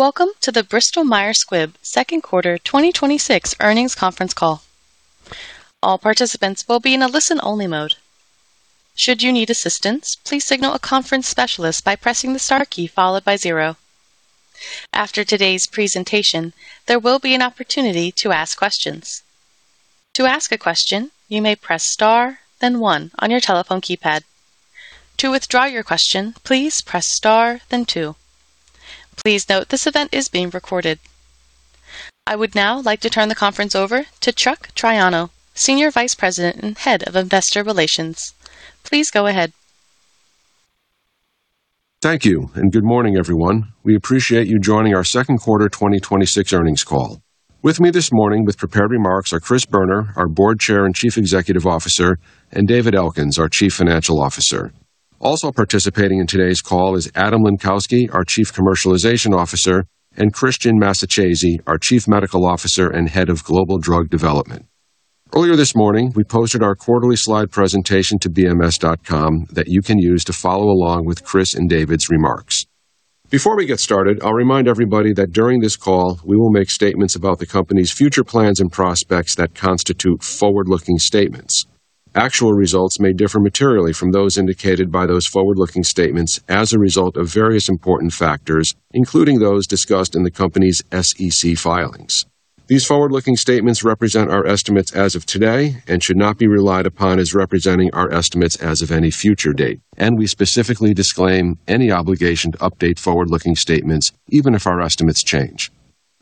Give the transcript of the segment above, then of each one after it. Welcome to the Bristol Myers Squibb second quarter 2026 earnings conference call. All participants will be in a listen-only mode. Should you need assistance, please signal a conference specialist by pressing the star key followed by zero. After today's presentation, there will be an opportunity to ask questions. To ask a question, you may press star then one on your telephone keypad. To withdraw your question, please press star then two. Please note this event is being recorded. I would now like to turn the conference over to Chuck Triano, Senior Vice President and Head of Investor Relations. Please go ahead. Thank you and good morning, everyone. We appreciate you joining our second quarter 2026 earnings call. With me this morning with prepared remarks are Chris Boerner, our Board Chair and Chief Executive Officer, and David Elkins, our Chief Financial Officer. Also participating in today's call is Adam Lenkowsky, our Chief Commercialization Officer, and Cristian Massacesi, our Chief Medical Officer and Head of Global Drug Development. Earlier this morning, we posted our quarterly slide presentation to bms.com that you can use to follow along with Chris and David's remarks. Before we get started, I'll remind everybody that during this call, we will make statements about the company's future plans and prospects that constitute forward-looking statements. Actual results may differ materially from those indicated by those forward-looking statements as a result of various important factors, including those discussed in the company's SEC filings. These forward-looking statements represent our estimates as of today and should not be relied upon as representing our estimates as of any future date, and we specifically disclaim any obligation to update forward-looking statements even if our estimates change.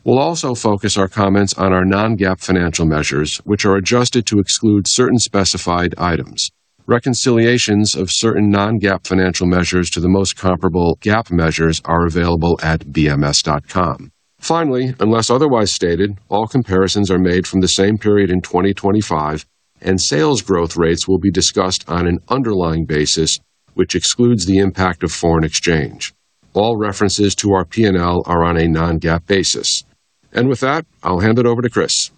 We'll also focus our comments on our non-GAAP financial measures, which are adjusted to exclude certain specified items. Reconciliations of certain non-GAAP financial measures to the most comparable GAAP measures are available at bms.com. Finally, unless otherwise stated, all comparisons are made from the same period in 2025, and sales growth rates will be discussed on an underlying basis, which excludes the impact of foreign exchange. All references to our P&L are on a non-GAAP basis. With that, I'll hand it over to Chris.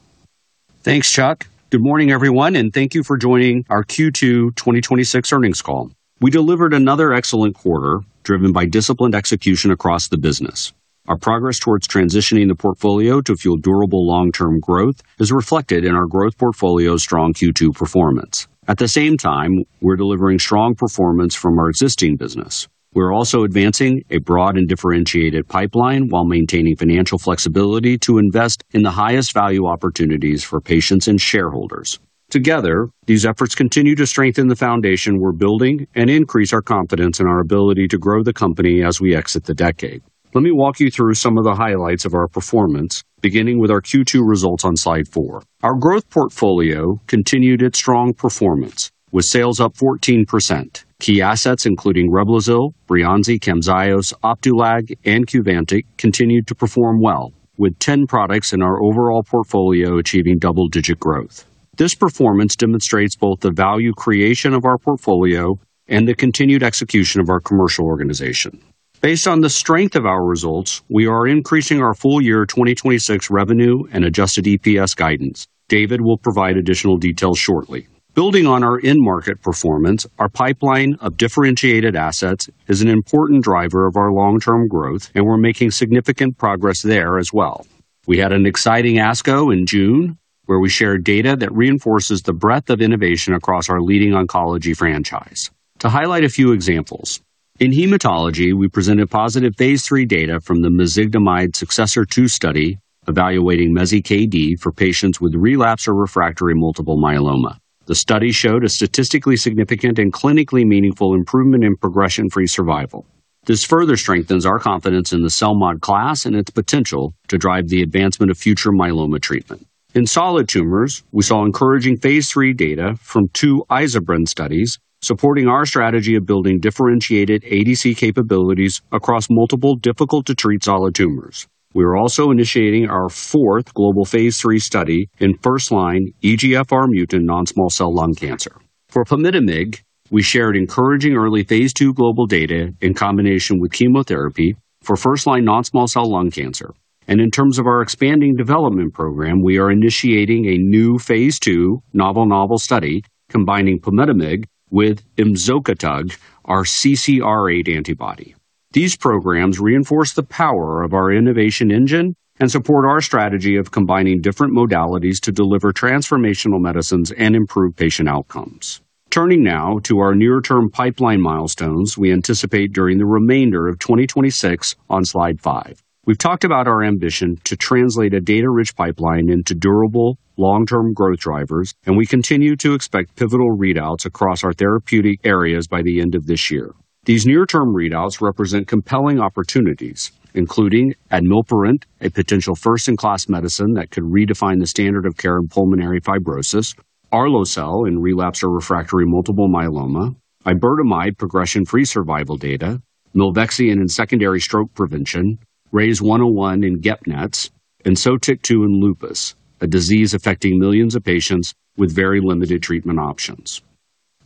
Thanks, Chuck. Good morning, everyone, and thank you for joining our Q2 2026 earnings call. We delivered another excellent quarter driven by disciplined execution across the business. Our progress towards transitioning the portfolio to fuel durable long-term growth is reflected in our growth portfolio's strong Q2 performance. At the same time, we're delivering strong performance from our existing business. We're also advancing a broad and differentiated pipeline while maintaining financial flexibility to invest in the highest value opportunities for patients and shareholders. Together, these efforts continue to strengthen the foundation we're building and increase our confidence in our ability to grow the company as we exit the decade. Let me walk you through some of the highlights of our performance, beginning with our Q2 results on Slide four. Our growth portfolio continued its strong performance with sales up 14%. Key assets including REBLOZYL, BREYANZI, CAMZYOS, Opdivo, and Qvantig continued to perform well, with 10 products in our overall portfolio achieving double-digit growth. This performance demonstrates both the value creation of our portfolio and the continued execution of our commercial organization. Based on the strength of our results, we are increasing our full year 2026 revenue and adjusted EPS guidance. David will provide additional details shortly. Building on our end-market performance, our pipeline of differentiated assets is an important driver of our long-term growth, and we're making significant progress there as well. We had an exciting ASCO in June, where we shared data that reinforces the breadth of innovation across our leading oncology franchise. To highlight a few examples, in hematology, we presented positive phase III data from the mezigdomide SUCCESSOR-2 study evaluating mezigdomide for patients with relapse or refractory multiple myeloma. The study showed a statistically significant and clinically meaningful improvement in progression-free survival. This further strengthens our confidence in the CELMoD class and its potential to drive the advancement of future myeloma treatment. In solid tumors, we saw encouraging phase III data from two iza-bren studies supporting our strategy of building differentiated ADC capabilities across multiple difficult-to-treat solid tumors. We are also initiating our fourth global phase III study in first-line EGFR mutant non-small cell lung cancer. For pemetrexed, we shared encouraging early phase II global data in combination with chemotherapy for first-line non-small cell lung cancer. In terms of our expanding development program, we are initiating a new phase II novel study combining pemetrexed with imzokitug, our CCR8 antibody. These programs reinforce the power of our innovation engine and support our strategy of combining different modalities to deliver transformational medicines and improve patient outcomes. Turning now to our near-term pipeline milestones we anticipate during the remainder of 2026 on slide five. We've talked about our ambition to translate a data-rich pipeline into durable long-term growth drivers, and we continue to expect pivotal readouts across our therapeutic areas by the end of this year. These near-term readouts represent compelling opportunities, including admilparant, a potential first-in-class medicine that could redefine the standard of care in pulmonary fibrosis, arlo-cel in relapse or refractory multiple myeloma, iberdomide progression-free survival data, milvexian in secondary stroke prevention, RYZ101 in GEP-NETs, and Sotyktu in lupus, a disease affecting millions of patients with very limited treatment options.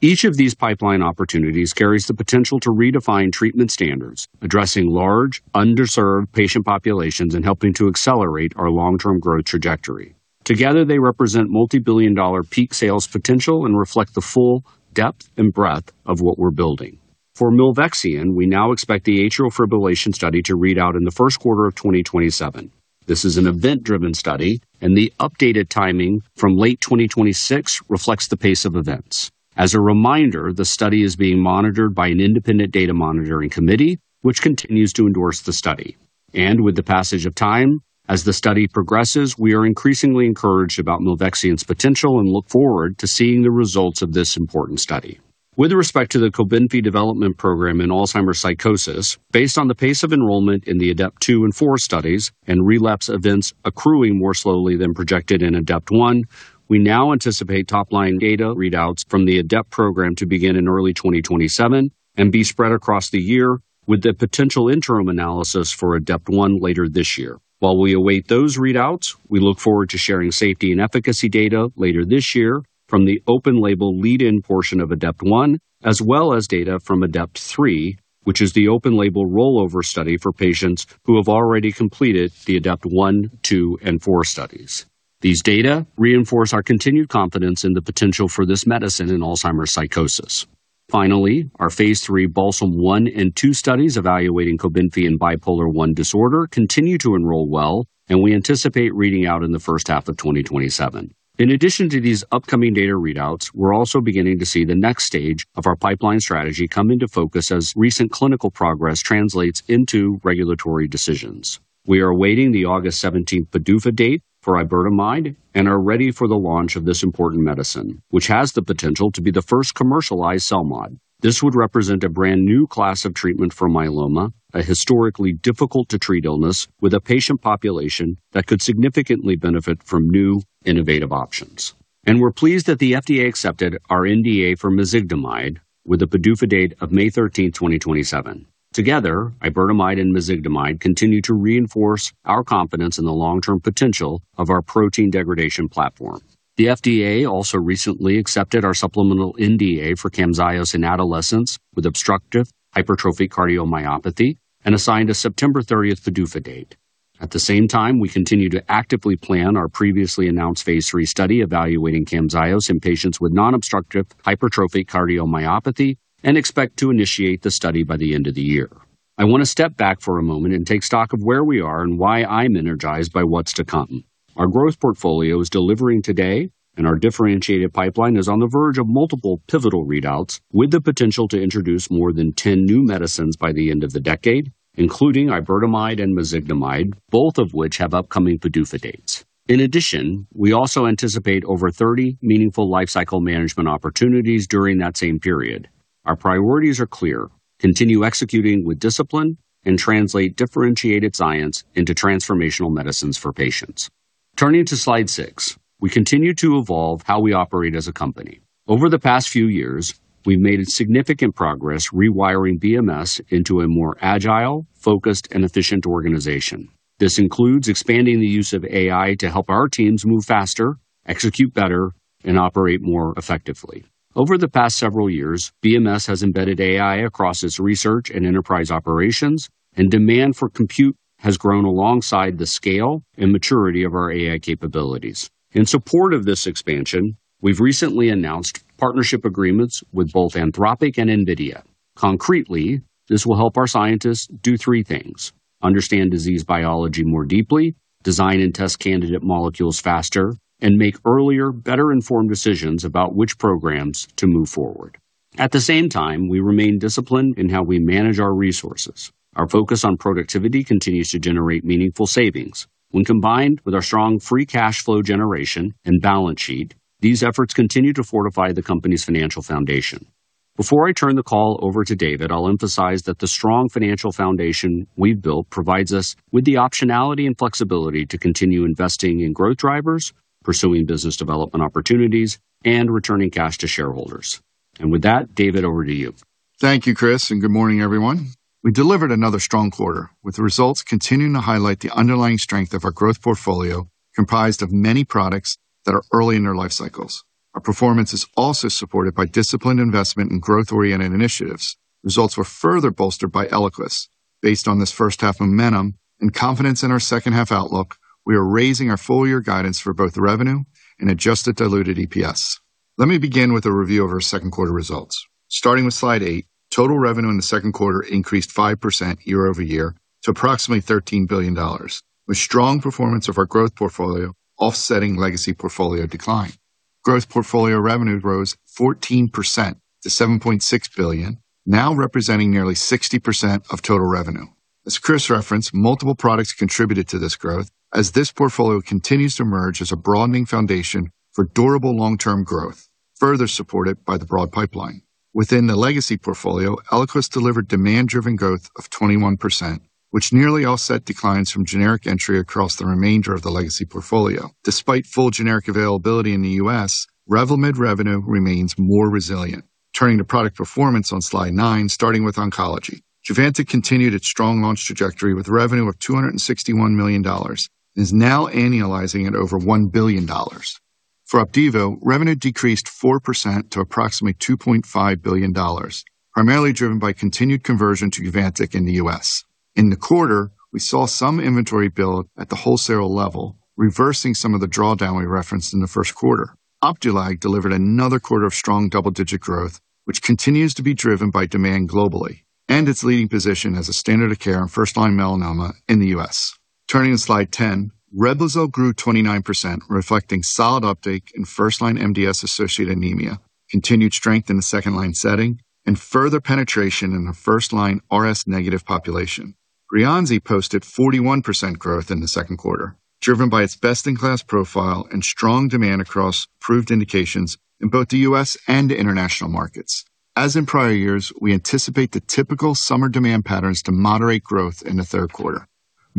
Each of these pipeline opportunities carries the potential to redefine treatment standards, addressing large underserved patient populations and helping to accelerate our long-term growth trajectory. Together, they represent multibillion-dollar peak sales potential and reflect the full depth and breadth of what we're building. For milvexian, we now expect the atrial fibrillation study to read out in the first quarter of 2027. This is an event-driven study, and the updated timing from late 2026 reflects the pace of events. As a reminder, the study is being monitored by an independent data monitoring committee, which continues to endorse the study. With the passage of time, as the study progresses, we are increasingly encouraged about milvexian's potential and look forward to seeing the results of this important study. With respect to the COBENFY development program in Alzheimer's psychosis, based on the pace of enrollment in the ADEPT-2 and ADEPT-4 studies and relapse events accruing more slowly than projected in ADEPT-1, we now anticipate top-line data readouts from the ADEPT program to begin in early 2027 and be spread across the year with the potential interim analysis for ADEPT-1 later this year. While we await those readouts, we look forward to sharing safety and efficacy data later this year from the open label lead-in portion of ADEPT-1, as well as data from ADEPT-3, which is the open label rollover study for patients who have already completed the ADEPT-1, -2, and -4 studies. These data reinforce our continued confidence in the potential for this medicine in Alzheimer's psychosis. Finally, our phase III BALSAM-1 and -2 studies evaluating COBENFY in bipolar I disorder continue to enroll well, and we anticipate reading out in the first half of 2027. In addition to these upcoming data readouts, we're also beginning to see the next stage of our pipeline strategy come into focus as recent clinical progress translates into regulatory decisions. We are awaiting the August 17th PDUFA date for iberdomide and are ready for the launch of this important medicine, which has the potential to be the first commercialized CELMoD. This would represent a brand-new class of treatment for myeloma, a historically difficult-to-treat illness with a patient population that could significantly benefit from new innovative options. We're pleased that the FDA accepted our NDA for mezigdomide with a PDUFA date of May 13th, 2027. Together, iberdomide and mezigdomide continue to reinforce our confidence in the long-term potential of our protein degradation platform. The FDA also recently accepted our supplemental NDA for CAMZYOS in adolescents with obstructive hypertrophic cardiomyopathy and assigned a September 30th PDUFA date. At the same time, we continue to actively plan our previously announced phase III study evaluating CAMZYOS in patients with non-obstructive hypertrophic cardiomyopathy and expect to initiate the study by the end of the year. I want to step back for a moment and take stock of where we are and why I'm energized by what's to come. Our growth portfolio is delivering today, our differentiated pipeline is on the verge of multiple pivotal readouts with the potential to introduce more than 10 new medicines by the end of the decade, including iberdomide and mezigdomide, both of which have upcoming PDUFA dates. In addition, we also anticipate over 30 meaningful lifecycle management opportunities during that same period. Our priorities are clear: continue executing with discipline and translate differentiated science into transformational medicines for patients. Turning to slide six, we continue to evolve how we operate as a company. Over the past few years, we've made significant progress rewiring BMS into a more agile, focused, and efficient organization. This includes expanding the use of AI to help our teams move faster, execute better, and operate more effectively. Over the past several years, BMS has embedded AI across its research and enterprise operations, demand for compute has grown alongside the scale and maturity of our AI capabilities. In support of this expansion, we've recently announced partnership agreements with both Anthropic and NVIDIA. Concretely, this will help our scientists do three things: understand disease biology more deeply, design and test candidate molecules faster, and make earlier, better-informed decisions about which programs to move forward. At the same time, we remain disciplined in how we manage our resources. Our focus on productivity continues to generate meaningful savings. When combined with our strong free cash flow generation and balance sheet, these efforts continue to fortify the company's financial foundation. Before I turn the call over to David, I'll emphasize that the strong financial foundation we've built provides us with the optionality and flexibility to continue investing in growth drivers, pursuing business development opportunities, and returning cash to shareholders. With that, David, over to you. Thank you, Chris, good morning, everyone. We delivered another strong quarter, with results continuing to highlight the underlying strength of our growth portfolio, comprised of many products that are early in their lifecycles. Our performance is also supported by disciplined investment and growth-oriented initiatives. Results were further bolstered by ELIQUIS. Based on this first half momentum and confidence in our second half outlook, we are raising our full-year guidance for both revenue and adjusted diluted EPS. Let me begin with a review of our second quarter results. Starting with slide eight, total revenue in the second quarter increased 5% year-over-year to approximately $13 billion, with strong performance of our growth portfolio offsetting legacy portfolio decline. Growth portfolio revenue rose 14% to $7.6 billion, now representing nearly 60% of total revenue. As Chris referenced, multiple products contributed to this growth as this portfolio continues to emerge as a broadening foundation for durable long-term growth, further supported by the broad pipeline. Within the legacy portfolio, ELIQUIS delivered demand-driven growth of 21%, which nearly offset declines from generic entry across the remainder of the legacy portfolio. Despite full generic availability in the U.S., REVLIMID revenue remains more resilient. Turning to product performance on slide nine, starting with oncology. Sotyktu continued its strong launch trajectory with revenue of $261 million and is now annualizing at over $1 billion. For OPDIVO, revenue decreased 4% to approximately $2.5 billion, primarily driven by continued conversion to OPDIVO Qvantig in the U.S. In the quarter, we saw some inventory build at the wholesale level, reversing some of the drawdown we referenced in the first quarter. OPDUALAG delivered another quarter of strong double-digit growth, which continues to be driven by demand globally and its leading position as a standard of care in first-line melanoma in the U.S. Turning to slide ten, REBLOZYL grew 29%, reflecting solid uptake in first-line MDS-associated anemia, continued strength in the second-line setting, and further penetration in the first-line Rh-negative population. BREYANZI posted 41% growth in the second quarter, driven by its best-in-class profile and strong demand across approved indications in both the U.S. and international markets. As in prior years, we anticipate the typical summer demand patterns to moderate growth in the third quarter.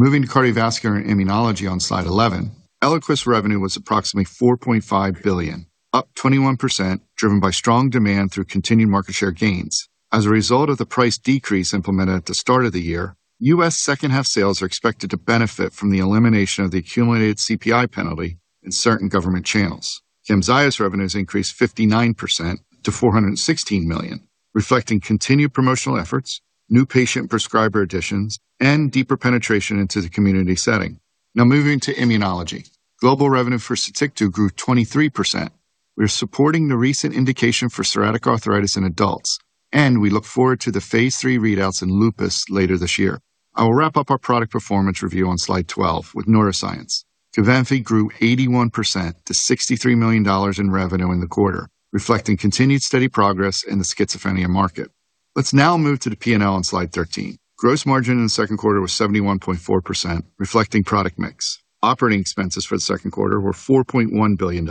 Moving to cardiovascular and immunology on slide eleven. ELIQUIS revenue was approximately $4.5 billion, up 21%, driven by strong demand through continued market share gains. As a result of the price decrease implemented at the start of the year, U.S. second-half sales are expected to benefit from the elimination of the accumulated CPI penalty in certain government channels. CAMZYOS's revenues increased 59% to $416 million, reflecting continued promotional efforts, new patient prescriber additions, and deeper penetration into the community setting. Moving to immunology. Global revenue for Sotyktu grew 23%. We are supporting the recent indication for psoriatic arthritis in adults, and we look forward to the phase III readouts in lupus later this year. I will wrap up our product performance review on slide 12 with neuroscience. COBENFY grew 81% to $63 million in revenue in the quarter, reflecting continued steady progress in the schizophrenia market. Moving to the P&L on slide 13. Gross margin in the second quarter was 71.4%, reflecting product mix. Operating expenses for the second quarter were $4.1 billion.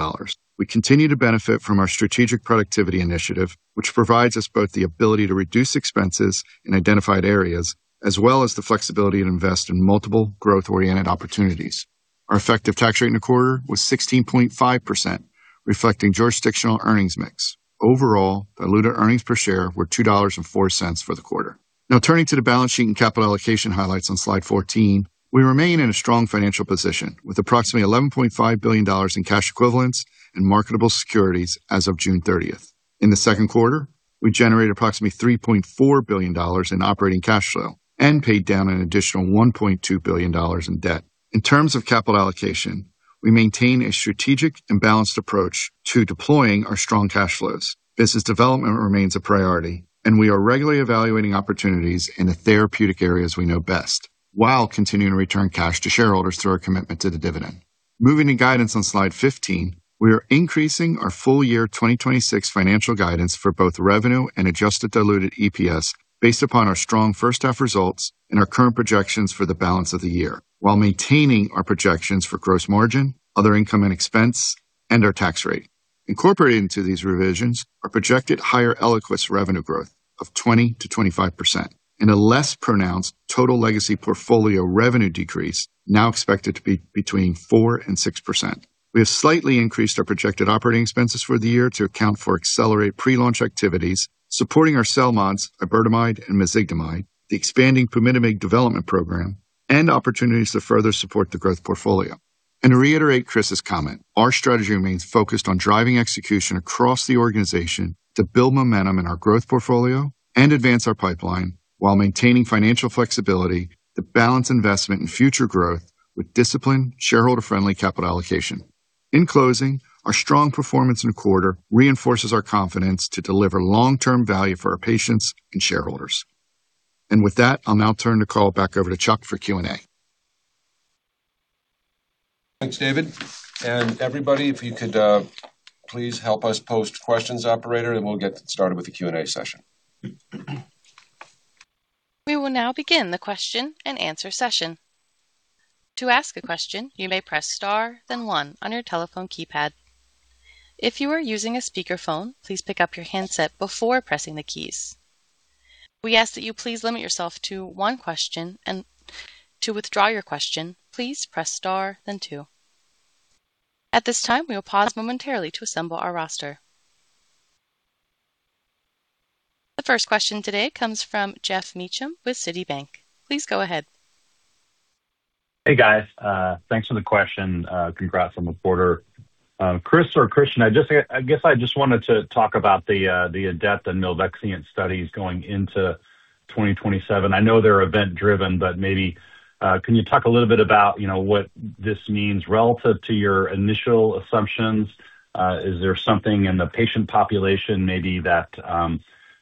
We continue to benefit from our strategic productivity initiative, which provides us both the ability to reduce expenses in identified areas, as well as the flexibility to invest in multiple growth-oriented opportunities. Our effective tax rate in the quarter was 16.5%, reflecting jurisdictional earnings mix. Overall, diluted earnings per share were $2.04 for the quarter. Turning to the balance sheet and capital allocation highlights on slide 14. We remain in a strong financial position, with approximately $11.5 billion in cash equivalents and marketable securities as of June 30th. In the second quarter, we generated approximately $3.4 billion in operating cash flow and paid down an additional $1.2 billion in debt. In terms of capital allocation, we maintain a strategic and balanced approach to deploying our strong cash flows. Business development remains a priority, and we are regularly evaluating opportunities in the therapeutic areas we know best while continuing to return cash to shareholders through our commitment to the dividend. Moving to guidance on slide 15. We are increasing our full year 2026 financial guidance for both revenue and adjusted diluted EPS based upon our strong first half results and our current projections for the balance of the year while maintaining our projections for gross margin, other income and expense, and our tax rate. Incorporated into these revisions are projected higher ELIQUIS revenue growth of 20%-25% and a less pronounced total legacy portfolio revenue decrease now expected to be between 4% and 6%. We have slightly increased our projected operating expenses for the year to account for accelerated pre-launch activities supporting our CELMoDs, iberdomide and mezigdomide, the expanding pomalidomide development program, and opportunities to further support the growth portfolio. To reiterate Chris's comment, our strategy remains focused on driving execution across the organization to build momentum in our growth portfolio and advance our pipeline while maintaining financial flexibility to balance investment in future growth with disciplined shareholder-friendly capital allocation. In closing, our strong performance in the quarter reinforces our confidence to deliver long-term value for our patients and shareholders. With that, I'll now turn the call back over to Chuck for Q&A. Thanks, David. Everybody, if you could, please help us pose questions, operator, and we'll get started with the Q&A session. We will now begin the question and answer session. To ask a question, you may press star then one on your telephone keypad. If you are using a speakerphone, please pick up your handset before pressing the keys. We ask that you please limit yourself to one question. To withdraw your question, please press star then two. At this time, we will pause momentarily to assemble our roster. The first question today comes from Geoff Meacham with Citi. Please go ahead. Hey, guys. Thanks for the question. Congrats on the quarter. Chris or Cristian, I guess I just wanted to talk about the ADEPT and milvexian studies going into 2027. I know they're event-driven, maybe can you talk a little bit about what this means relative to your initial assumptions? Is there something in the patient population maybe that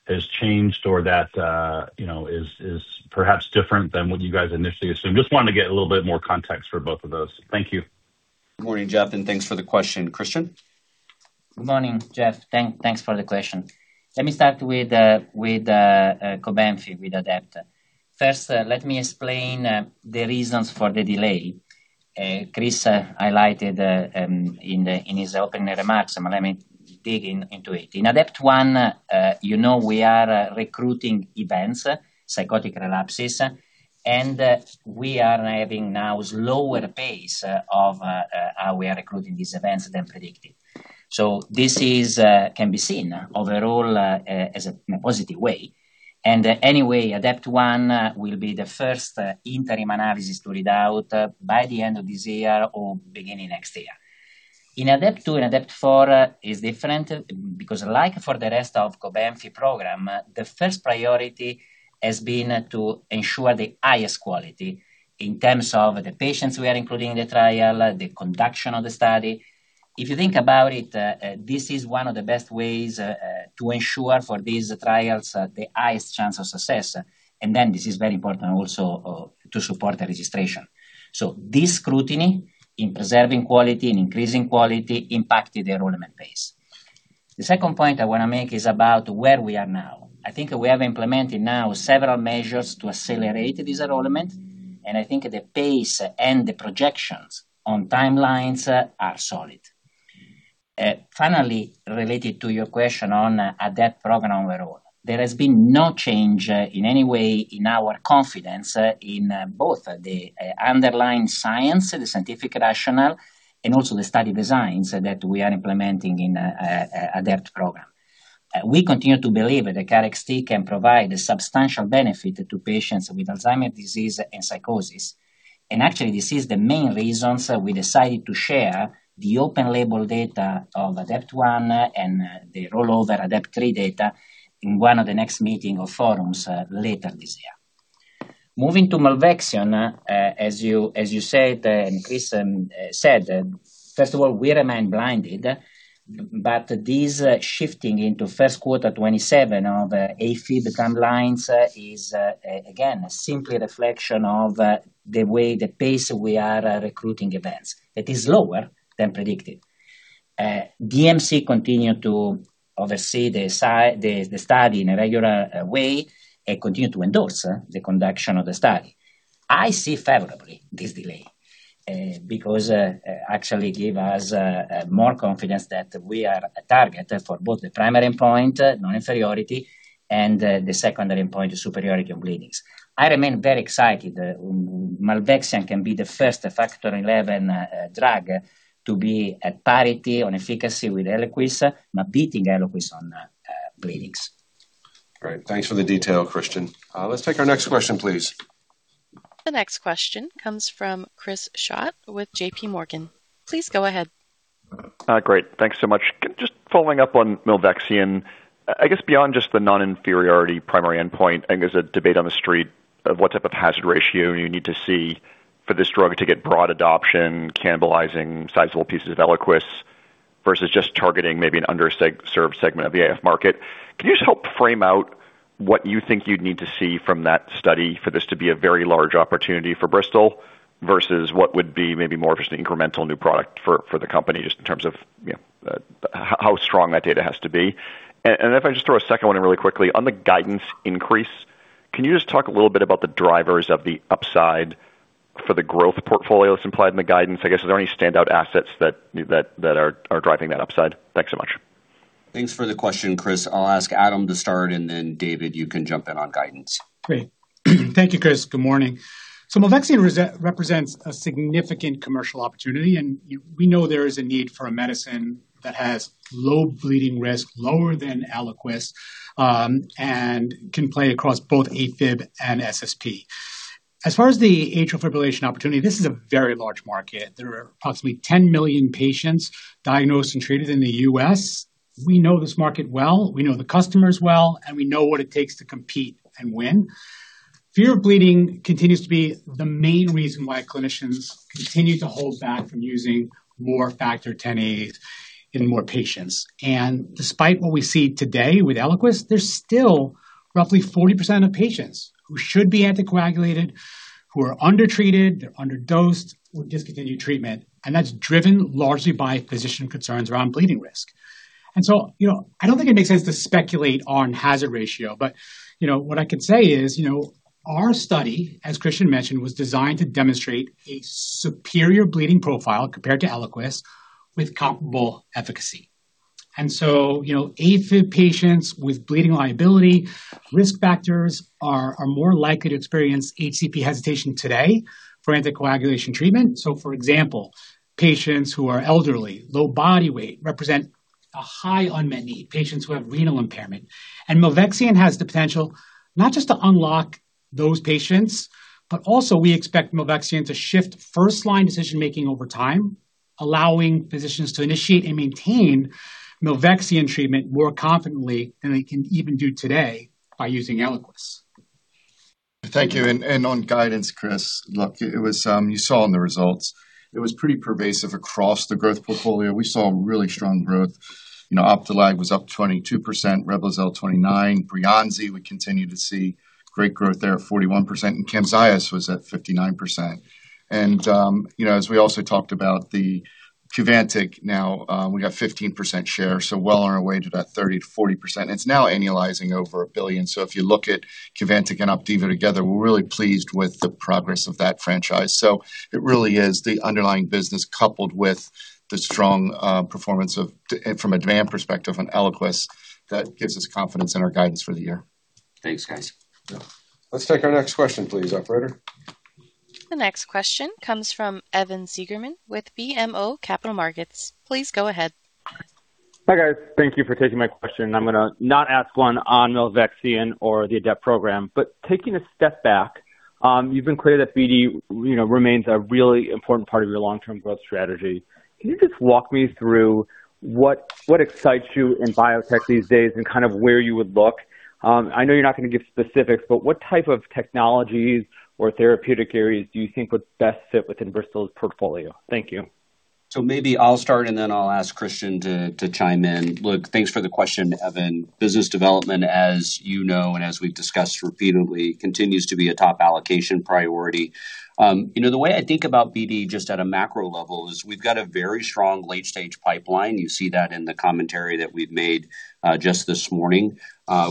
has changed or that is perhaps different than what you guys initially assumed? Just wanted to get a little bit more context for both of those. Thank you. Morning, Geoff. Thanks for the question. Cristian? Good morning, Geoff. Thanks for the question. Let me start with COBENFY with ADEPT. First, let me explain the reasons for the delay. Chris highlighted in his opening remarks, let me dig into it. In ADEPT 1, we are recruiting events, psychotic relapses, and we are having now slower pace of how we are recruiting these events than predicted. This can be seen overall in a positive way. ADEPT 1 will be the first interim analysis to read out by the end of this year or beginning of next year. In ADEPT 2 and ADEPT 4 is different because like for the rest of COBENFY program, the first priority has been to ensure the highest quality in terms of the patients we are including in the trial, the conduction of the study. If you think about it, this is one of the best ways to ensure for these trials the highest chance of success. This is very important also to support the registration. So this scrutiny in preserving quality and increasing quality impacted the enrollment phase. The second point I want to make is about where we are now. I think we have implemented now several measures to accelerate this enrollment, and I think the pace and the projections on timelines are solid. Finally, related to your question on ADEPT program overall, there has been no change in any way in our confidence in both the underlying science, the scientific rationale, and also the study designs that we are implementing in ADEPT program. We continue to believe that COBENFY can provide a substantial benefit to patients with Alzheimer's disease and psychosis. Actually, this is the main reasons we decided to share the open label data of ADEPT 1 and the rollover ADEPT 3 data in one of the next meeting or forums later this year. Moving to milvexian, as you said, and Chris said, first of all, we remain blinded, but this shifting into first quarter 2027 of Afib timelines is, again, simply a reflection of the way, the pace we are recruiting events. It is lower than predicted. DMC continued to oversee the study in a regular way and continue to endorse the conduction of the study. I see favorably this delay because actually give us more confidence that we are a target for both the primary endpoint, non-inferiority, and the secondary endpoint, superiority on bleedings. I remain very excited milvexian can be the first Factor XI drug to be at parity on efficacy with ELIQUIS, but beating ELIQUIS on bleedings. Great. Thanks for the detail, Cristian. Let's take our next question, please. The next question comes from Chris Schott with JPMorgan Please go ahead. Great. Thanks so much. Just following up on milvexian, I guess beyond just the non-inferiority primary endpoint, I think there's a debate on the street of what type of hazard ratio you need to see for this drug to get broad adoption, cannibalizing sizable pieces of ELIQUIS versus just targeting maybe an underserved segment of the AF market. Can you just help frame out what you think you'd need to see from that study for this to be a very large opportunity for Bristol versus what would be maybe more of just an incremental new product for the company, just in terms of how strong that data has to be? If I just throw a second one in really quickly. On the guidance increase, can you just talk a little bit about the drivers of the upside for the growth portfolio that's implied in the guidance? I guess, are there any standout assets that are driving that upside? Thanks so much. Thanks for the question, Chris. I'll ask Adam to start, then David, you can jump in on guidance. Great. Thank you, Chris. Good morning. milvexian represents a significant commercial opportunity, and we know there is a need for a medicine that has low bleeding risk, lower than ELIQUIS, and can play across both Afib and SSP. As far as the atrial fibrillation opportunity, this is a very large market. There are approximately 10 million patients diagnosed and treated in the U.S. We know this market well. We know the customers well, and we know what it takes to compete and win. Fear of bleeding continues to be the main reason why clinicians continue to hold back from using more Factor Xa in more patients. Despite what we see today with ELIQUIS, there's still roughly 40% of patients who should be anticoagulated who are undertreated, underdosed, or discontinue treatment, and that's driven largely by physician concerns around bleeding risk. I don't think it makes sense to speculate on hazard ratio, but what I can say is, our study, as Cristian mentioned, was designed to demonstrate a superior bleeding profile compared to ELIQUIS with comparable efficacy. Afib patients with bleeding liability risk factors are more likely to experience HCP hesitation today for anticoagulation treatment. For example, patients who are elderly, low body weight represent a high unmet need. Patients who have renal impairment. milvexian has the potential not just to unlock those patients, but also we expect milvexian to shift first-line decision-making over time, allowing physicians to initiate and maintain milvexian treatment more confidently than they can even do today by using ELIQUIS. Thank you. On guidance, Chris, look, you saw in the results it was pretty pervasive across the growth portfolio. We saw really strong growth. Opdualag was up 22%, REVLIMID 29%, BREYANZI, we continue to see great growth there at 41%, and CAMZYOS was at 59%. As we also talked about the Opdivo Qvantig, now we have 15% share, so well on our way to that 30%-40%. It's now annualizing over $1 billion. If you look at Opdivo Qvantig and Opdivo together, we're really pleased with the progress of that franchise. It really is the underlying business coupled with the strong performance from a demand perspective on ELIQUIS that gives us confidence in our guidance for the year. Thanks, guys. Let's take our next question, please, operator. The next question comes from Evan Seigerman with BMO Capital Markets. Please go ahead. Hi, guys. Thank you for taking my question. I'm going to not ask one on milvexian or the ADEPT program, but taking a step back, you've been clear that BD remains a really important part of your long-term growth strategy. Can you just walk me through what excites you in biotech these days and kind of where you would look? I know you're not going to give specifics, but what type of technologies or therapeutic areas do you think would best fit within Bristol's portfolio? Thank you. Maybe I'll start, then I'll ask Cristian to chime in. Thanks for the question, Evan. Business development, as you know and as we've discussed repeatedly, continues to be a top allocation priority. The way I think about BD just at a macro level is we've got a very strong late-stage pipeline. You see that in the commentary that we've made just this morning.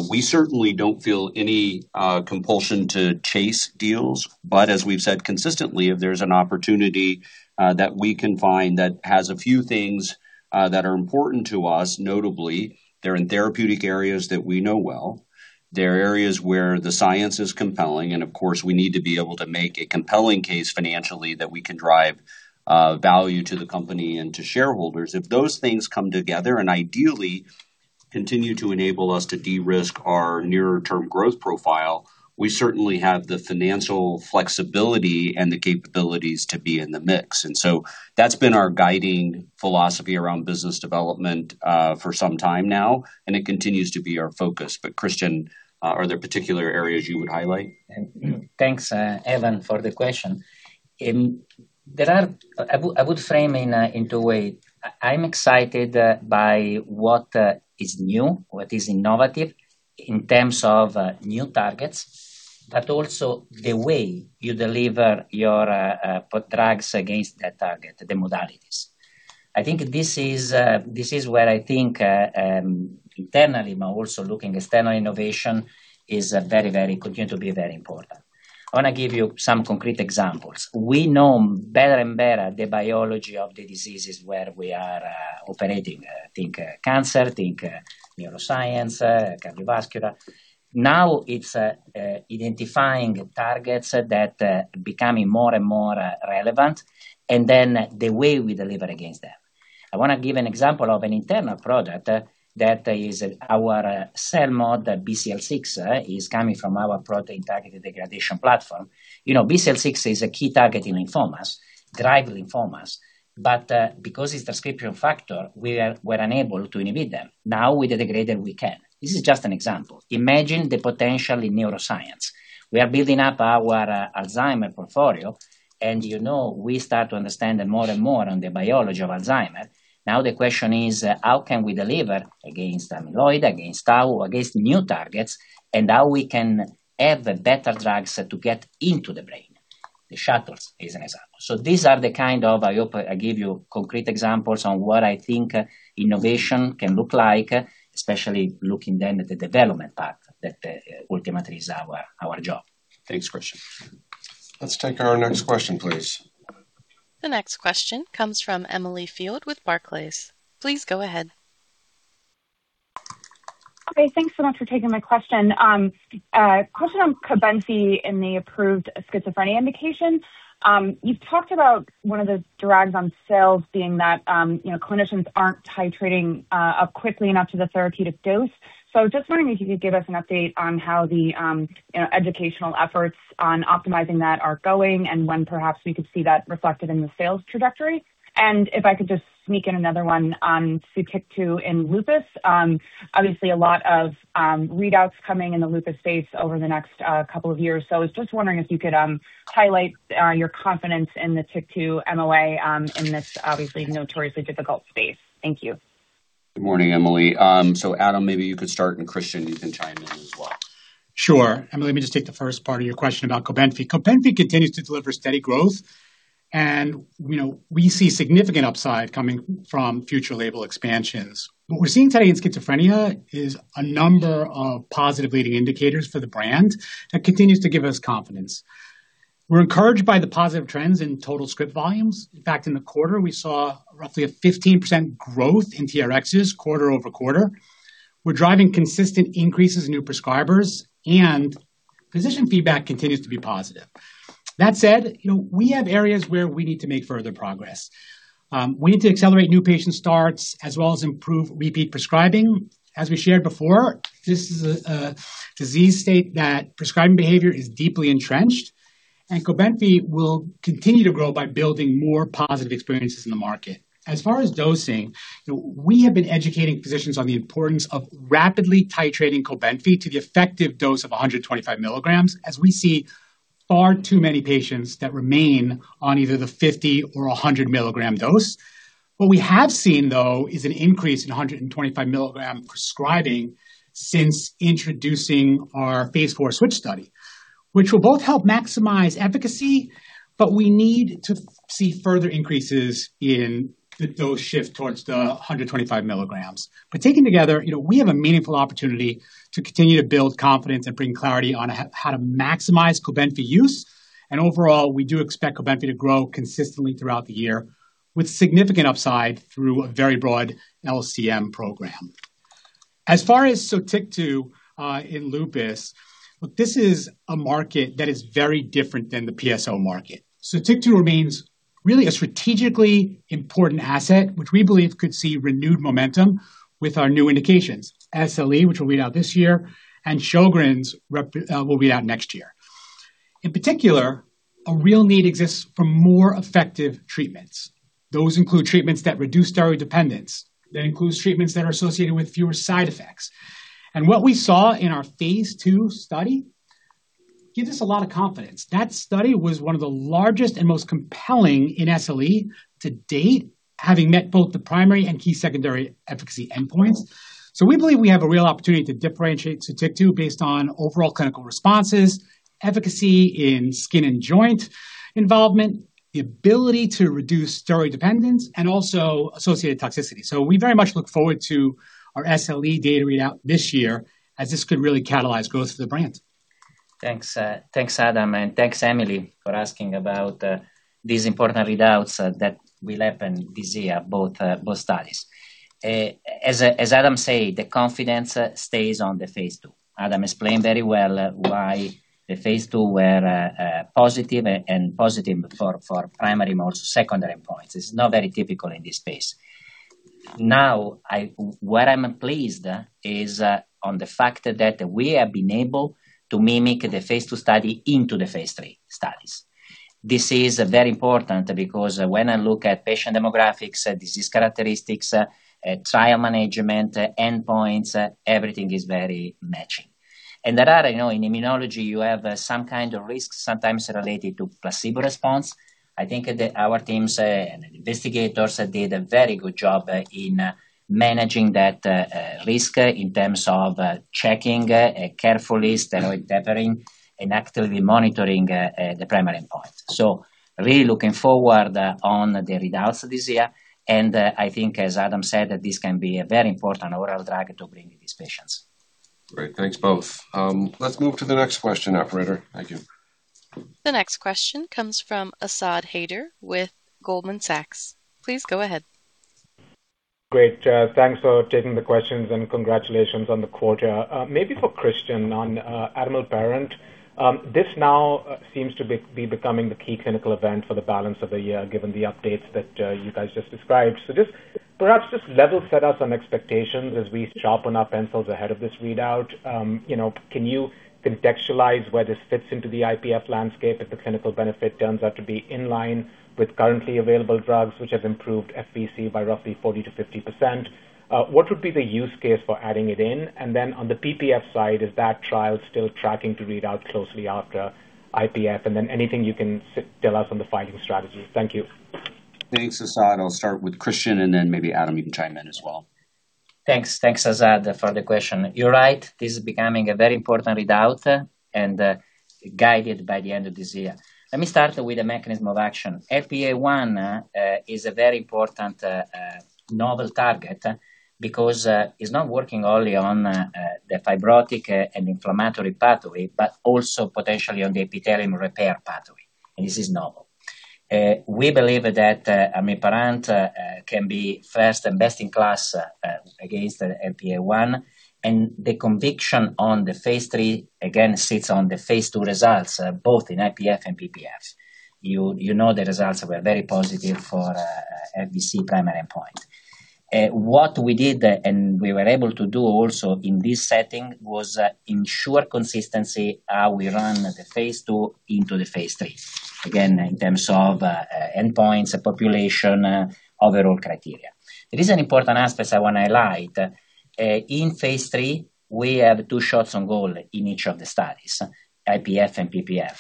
We certainly don't feel any compulsion to chase deals. As we've said consistently, if there's an opportunity that we can find that has a few things that are important to us, notably they're in therapeutic areas that we know well, they're areas where the science is compelling, and of course, we need to be able to make a compelling case financially that we can drive value to the company and to shareholders. If those things come together and ideally continue to enable us to de-risk our near-term growth profile, we certainly have the financial flexibility and the capabilities to be in the mix. That's been our guiding philosophy around business development for some time now, and it continues to be our focus. Cristian, are there particular areas you would highlight? Thanks, Evan, for the question. I would frame it in the way I'm excited by what is new, what is innovative in terms of new targets, but also the way you deliver your drugs against that target, the modalities. This is where I think internally, but also looking external innovation continues to be very important. I want to give you some concrete examples. We know better and better the biology of the diseases where we are operating. Think cancer. Think neuroscience, cardiovascular. It's identifying targets that are becoming more and more relevant, and then the way we deliver against them. I want to give an example of an internal project that is our CELMoD BCL6 is coming from our protein targeted degradation platform. BCL6 is a key target in lymphomas, driving lymphomas. Because it's transcription factor, we're unable to inhibit them. With the degrader we can. This is just an example. Imagine the potential in neuroscience. We are building up our Alzheimer portfolio, and we start to understand more and more on the biology of Alzheimer. The question is, how can we deliver against amyloid, against Tau, against new targets? How we can have better drugs to get into the brain? The shuttles is an example. These are the kind of, I hope I give you concrete examples on what I think innovation can look like, especially looking then at the development part that ultimately is our job. Thanks, Cristian. Let's take our next question, please. The next question comes from Emily Field with Barclays. Please go ahead. Okay, thanks so much for taking my question. Question on COBENFY and the approved schizophrenia indication. You've talked about one of the drags on sales being that clinicians aren't titrating up quickly enough to the therapeutic dose. Just wondering if you could give us an update on how the educational efforts on optimizing that are going and when perhaps we could see that reflected in the sales trajectory. If I could just sneak in another one on TYK2 in lupus. Obviously, a lot of readouts coming in the lupus space over the next couple of years. I was just wondering if you could highlight your confidence in the TYK2 MOA in this obviously notoriously difficult space. Thank you. Good morning, Emily. Adam, maybe you could start, and Cristian, you can chime in as well. Sure. Emily, let me just take the first part of your question about COBENFY. COBENFY continues to deliver steady growth, and we see significant upside coming from future label expansions. What we're seeing today in schizophrenia is a number of positive leading indicators for the brand that continues to give us confidence. We're encouraged by the positive trends in total script volumes. In fact, in the quarter, we saw roughly a 15% growth in TRx quarter-over-quarter. We're driving consistent increases in new prescribers, and physician feedback continues to be positive. That said, we have areas where we need to make further progress. We need to accelerate new patient starts as well as improve repeat prescribing. As we shared before, this is a disease state that prescribing behavior is deeply entrenched, and COBENFY will continue to grow by building more positive experiences in the market. As far as dosing, we have been educating physicians on the importance of rapidly titrating COBENFY to the effective dose of 125 ml, as we see far too many patients that remain on either the 50 ml or 100 ml dose. What we have seen, though, is an increase in 125 ml prescribing since introducing our phase IV SWITCH study, which will both help maximize efficacy, but we need to see further increases in the dose shift towards the 125 ml. Taken together, we have a meaningful opportunity to continue to build confidence and bring clarity on how to maximize COBENFY use. Overall, we do expect COBENFY to grow consistently throughout the year with significant upside through a very broad LCM program. As far as Sotyktu in lupus, this is a market that is very different than the PSO market. Sotyktu remains really a strategically important asset, which we believe could see renewed momentum with our new indications. SLE, which will read out this year, and Sjögren's will be out next year. In particular, a real need exists for more effective treatments. Those include treatments that reduce steroid dependence. That includes treatments that are associated with fewer side effects. What we saw in our phase II study gives us a lot of confidence. That study was one of the largest and most compelling in SLE to date, having met both the primary and key secondary efficacy endpoints. We believe we have a real opportunity to differentiate Sotyktu based on overall clinical responses, efficacy in skin and joint involvement, the ability to reduce steroid dependence, and also associated toxicity. We very much look forward to our SLE data readout this year, as this could really catalyze growth for the brand. Thanks Adam, and thanks Emily, for asking about these important readouts that will happen this year, both studies. As Adam say, the confidence stays on the phase II. Adam explained very well why the phase II were positive and positive for primary, most secondary points. It's not very typical in this space. Where I'm pleased is on the fact that we have been able to mimic the phase II study into the phase III studies. This is very important because when I look at patient demographics, disease characteristics, trial management, endpoints, everything is very matching. There are, in immunology, you have some kind of risks, sometimes related to placebo response. I think that our teams and investigators did a very good job in managing that risk in terms of checking carefully, steroid tapering, and actively monitoring the primary endpoint. Really looking forward on the readouts this year. I think, as Adam said, this can be a very important oral drug to bring to these patients. Great. Thanks, both. Let's move to the next question operator. Thank you. The next question comes from Asad Haider with Goldman Sachs. Please go ahead. Great. Thanks for taking the questions, congratulations on the quarter. Maybe for Cristian on amilparant. This now seems to be becoming the key clinical event for the balance of the year, given the updates that you guys just described. Just perhaps just level set us on expectations as we sharpen our pencils ahead of this readout. Can you contextualize where this fits into the IPF landscape if the clinical benefit turns out to be in line with currently available drugs, which have improved FVC by roughly 40%-50%? What would be the use case for adding it in? On the PPF side, is that trial still tracking to read out closely after IPF? Anything you can tell us on the filing strategy. Thank you. Thanks, Asad. I'll start with Cristian and then maybe Adam, you can chime in as well. Thanks. Thanks, Asad, for the question. You're right, this is becoming a very important readout and guided by the end of this year. Let me start with the mechanism of action. LPA1 is a very important novel target because it's not working only on the fibrotic and inflammatory pathway, but also potentially on the epithelium repair pathway. This is novel. We believe that amilparant can be first and best in class against the LPA1. The conviction on the phase III, again, sits on the phase II results, both in IPF and PPFs. You know the results were very positive for FVC primary endpoint. What we did, and we were able to do also in this setting, was ensure consistency how we run the phase II into the phase IIIs. Again, in terms of endpoints, population, overall criteria. There is an important aspect I want to highlight. In phase III, we have two shots on goal in each of the studies, IPF and PPF,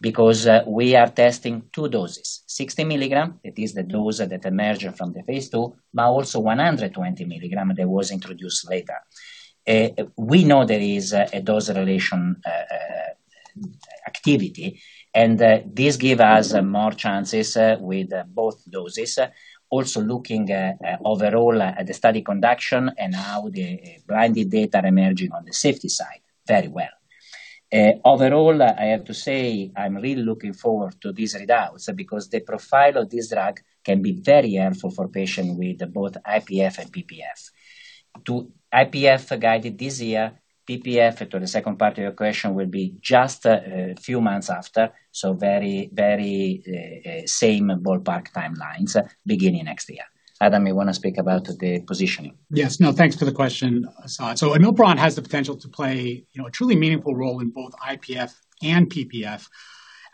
because we are testing two doses, 60 mg, it is the dose that emerged from the phase II, but also 120 mg that was introduced later. We know there is a dose relation activity, and this give us more chances with both doses. Also looking overall at the study conduction and how the blinded data emerging on the safety side very well. Overall, I have to say I'm really looking forward to these readouts because the profile of this drug can be very helpful for patients with both IPF and PPF. To IPF guided this year, PPF, to the second part of your question, will be just a few months after, so very same ballpark timelines beginning next year. Adam, you want to speak about the positioning? Yes. No, thanks for the question, Asad. amilparant has the potential to play a truly meaningful role in both IPF and PPF,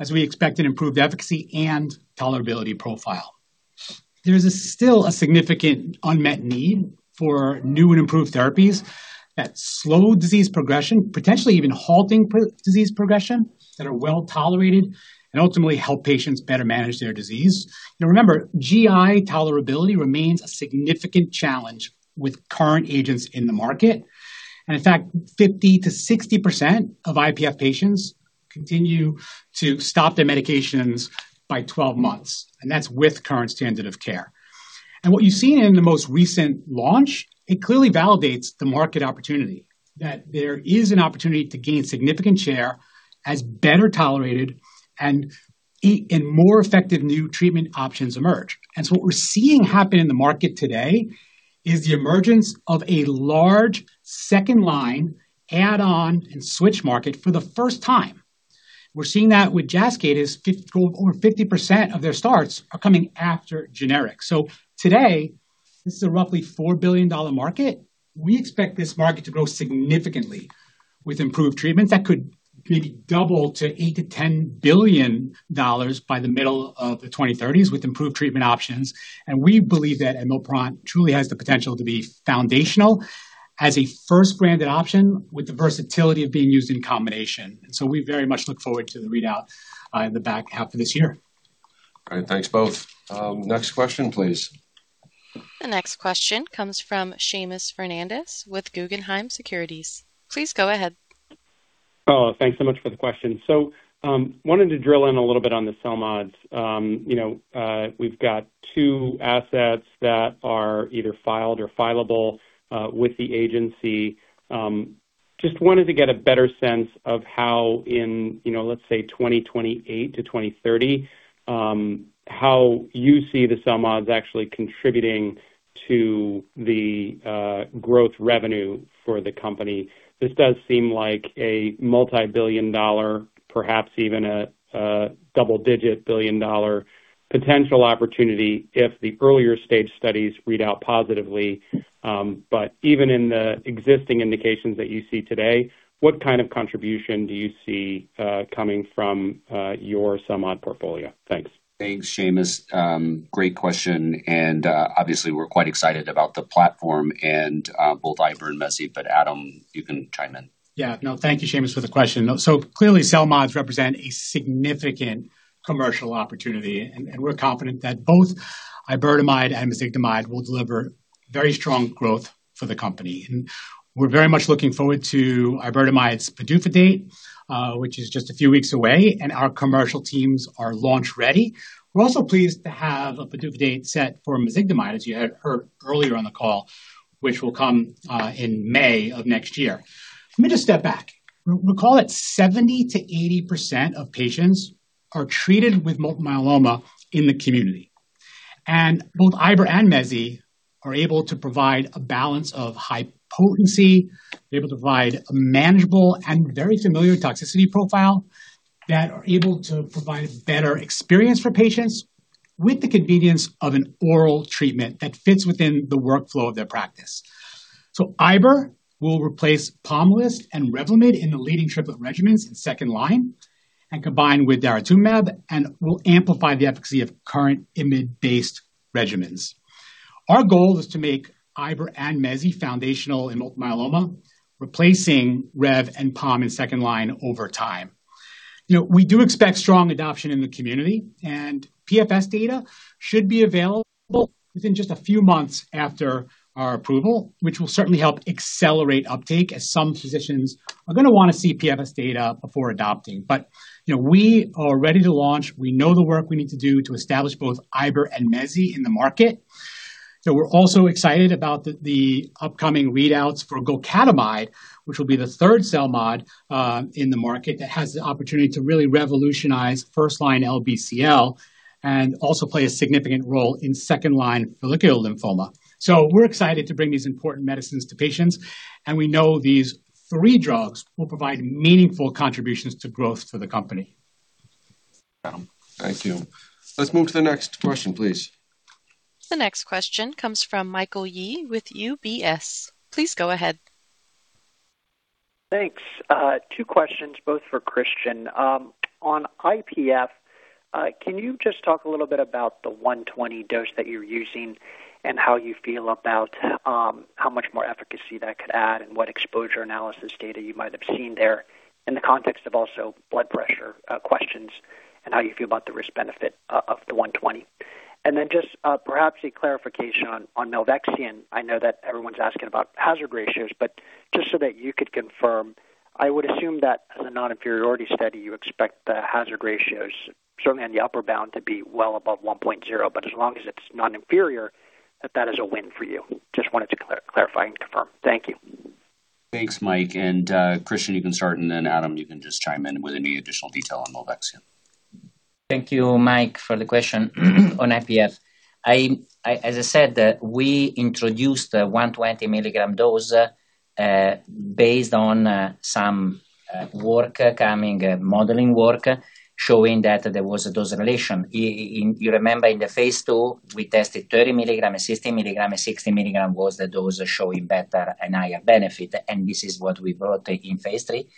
as we expect an improved efficacy and tolerability profile. There is still a significant unmet need for new and improved therapies that slow disease progression, potentially even halting disease progression, that are well-tolerated and ultimately help patients better manage their disease. Now remember, GI tolerability remains a significant challenge with current agents in the market. In fact, 50%-60% of IPF patients continue to stop their medications by 12 months, and that's with current standard of care. What you've seen in the most recent launch, it clearly validates the market opportunity. That there is an opportunity to gain significant share as better tolerated and more effective new treatment options emerge. What we're seeing happen in the market today is the emergence of a large second-line add-on and SWITCH market for the first time. We're seeing that with Jascayd, over 50% of their starts are coming after generic. Today, this is a roughly $4 billion market. We expect this market to grow significantly with improved treatments that could maybe double to $8 billion-$10 billion by the middle of the 2030s with improved treatment options. We believe that admilparant truly has the potential to be foundational as a first-branded option with the versatility of being used in combination. We very much look forward to the readout in the back half of this year. All right. Thanks, both. Next question, please. The next question comes from Seamus Fernandez with Guggenheim Securities. Please go ahead. Oh, thanks so much for the question. Wanted to drill in a little bit on the CELMoDs. We've got two assets that are either filed or fileable with the agency. Just wanted to get a better sense of how in, let's say, 2028-2030, how you see the CELMoDs actually contributing to the growth revenue for the company. This does seem like a multibillion-dollar, perhaps even a double-digit billion-dollar potential opportunity if the earlier-stage studies read out positively. Even in the existing indications that you see today, what kind of contribution do you see coming from your CELMoD portfolio? Thanks. Thanks, Seamus. Great question, obviously, we're quite excited about the platform and both Iber and Mezi, Adam, you can chime in. Yeah. No, thank you, Seamus, for the question. Clearly, CELMoDs represent a significant commercial opportunity, we're confident that both iberdomide and mezigdomide will deliver very strong growth for the company. We're very much looking forward to iberdomide's PDUFA date, which is just a few weeks away, our commercial teams are launch-ready. We're also pleased to have a PDUFA date set for mezigdomide, as you had heard earlier on the call, which will come in May of next year. Let me just step back. Recall that 70%-80% of patients are treated with multiple myeloma in the community, and both Iber and Mezi are able to provide a balance of high potency, they're able to provide a manageable and very familiar toxicity profile that are able to provide a better experience for patients with the convenience of an oral treatment that fits within the workflow of their practice. Iber will replace Pomalyst and REVLIMID in the leading triplet regimens in second-line and combined with daratumumab and will amplify the efficacy of current IMiD-based regimens. Our goal is to make Iber and Mezi foundational in multiple myeloma, replacing Rev and Pom in second-line over time. We do expect strong adoption in the community, and PFS data should be available within just a few months after our approval, which will certainly help accelerate uptake, as some physicians are going to want to see PFS data before adopting. We are ready to launch. We know the work we need to do to establish both Iber and Mezi in the market. We're also excited about the upcoming readouts for golcadomide, which will be the third CELMoD in the market that has the opportunity to really revolutionize first-line LBCL and also play a significant role in second-line follicular lymphoma. We're excited to bring these important medicines to patients, and we know these three drugs will provide meaningful contributions to growth for the company. Adam, thank you. Let's move to the next question, please. The next question comes from Michael Yee with UBS. Please go ahead. Thanks. Two questions, both for Cristian. On IPF, can you just talk a little bit about the 120 dose that you're using and how you feel about how much more efficacy that could add and what exposure analysis data you might have seen there in the context of also blood pressure questions and how you feel about the risk-benefit of the 120? Perhaps just a clarification on milvexian. I know that everyone's asking about hazard ratios, but just so that you could confirm, I would assume that as a non-inferiority study, you expect the hazard ratios, certainly on the upper bound, to be well above 1.0, but as long as it's non-inferior, that that is a win for you. Just wanted to clarify and confirm. Thank you. Thanks, Mike. Cristian, you can start, Adam, you can just chime in with any additional detail on milvexian. Thank you, Mike, for the question on IPF. As I said, we introduced the 120 ml dose based on some work coming, modeling work, showing that there was a dose relation. You remember in the phase II, we tested 30 ml, 60 ml, 60 ml was the dose showing better and higher benefit, this is what we brought in phase III.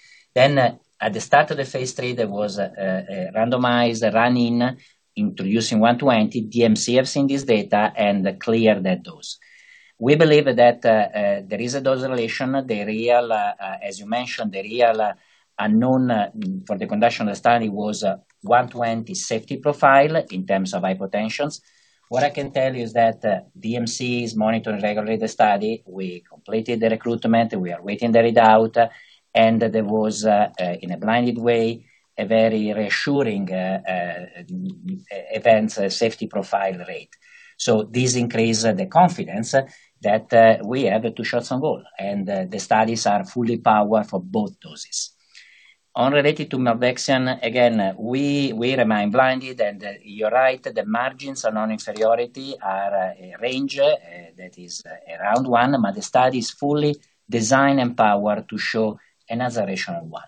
At the start of the phase III, there was a randomized run-in introducing 120, DMC have seen this data and cleared that dose. We believe that there is a dose relation. As you mentioned, the real unknown for the conduction of the study was 120 safety profile in terms of hypotensions. What I can tell you is that DMC is monitoring regularly the study. We completed the recruitment. We are waiting the readout. There was, in a blinded way, a very reassuring events safety profile rate. This increase the confidence that we have two shots on goal, the studies are fully powered for both doses. Related to milvexian, again, we remain blinded, you're right, the margins on non-inferiority are a range that is around 1, but the study is fully designed and powered to show another ratio of 1.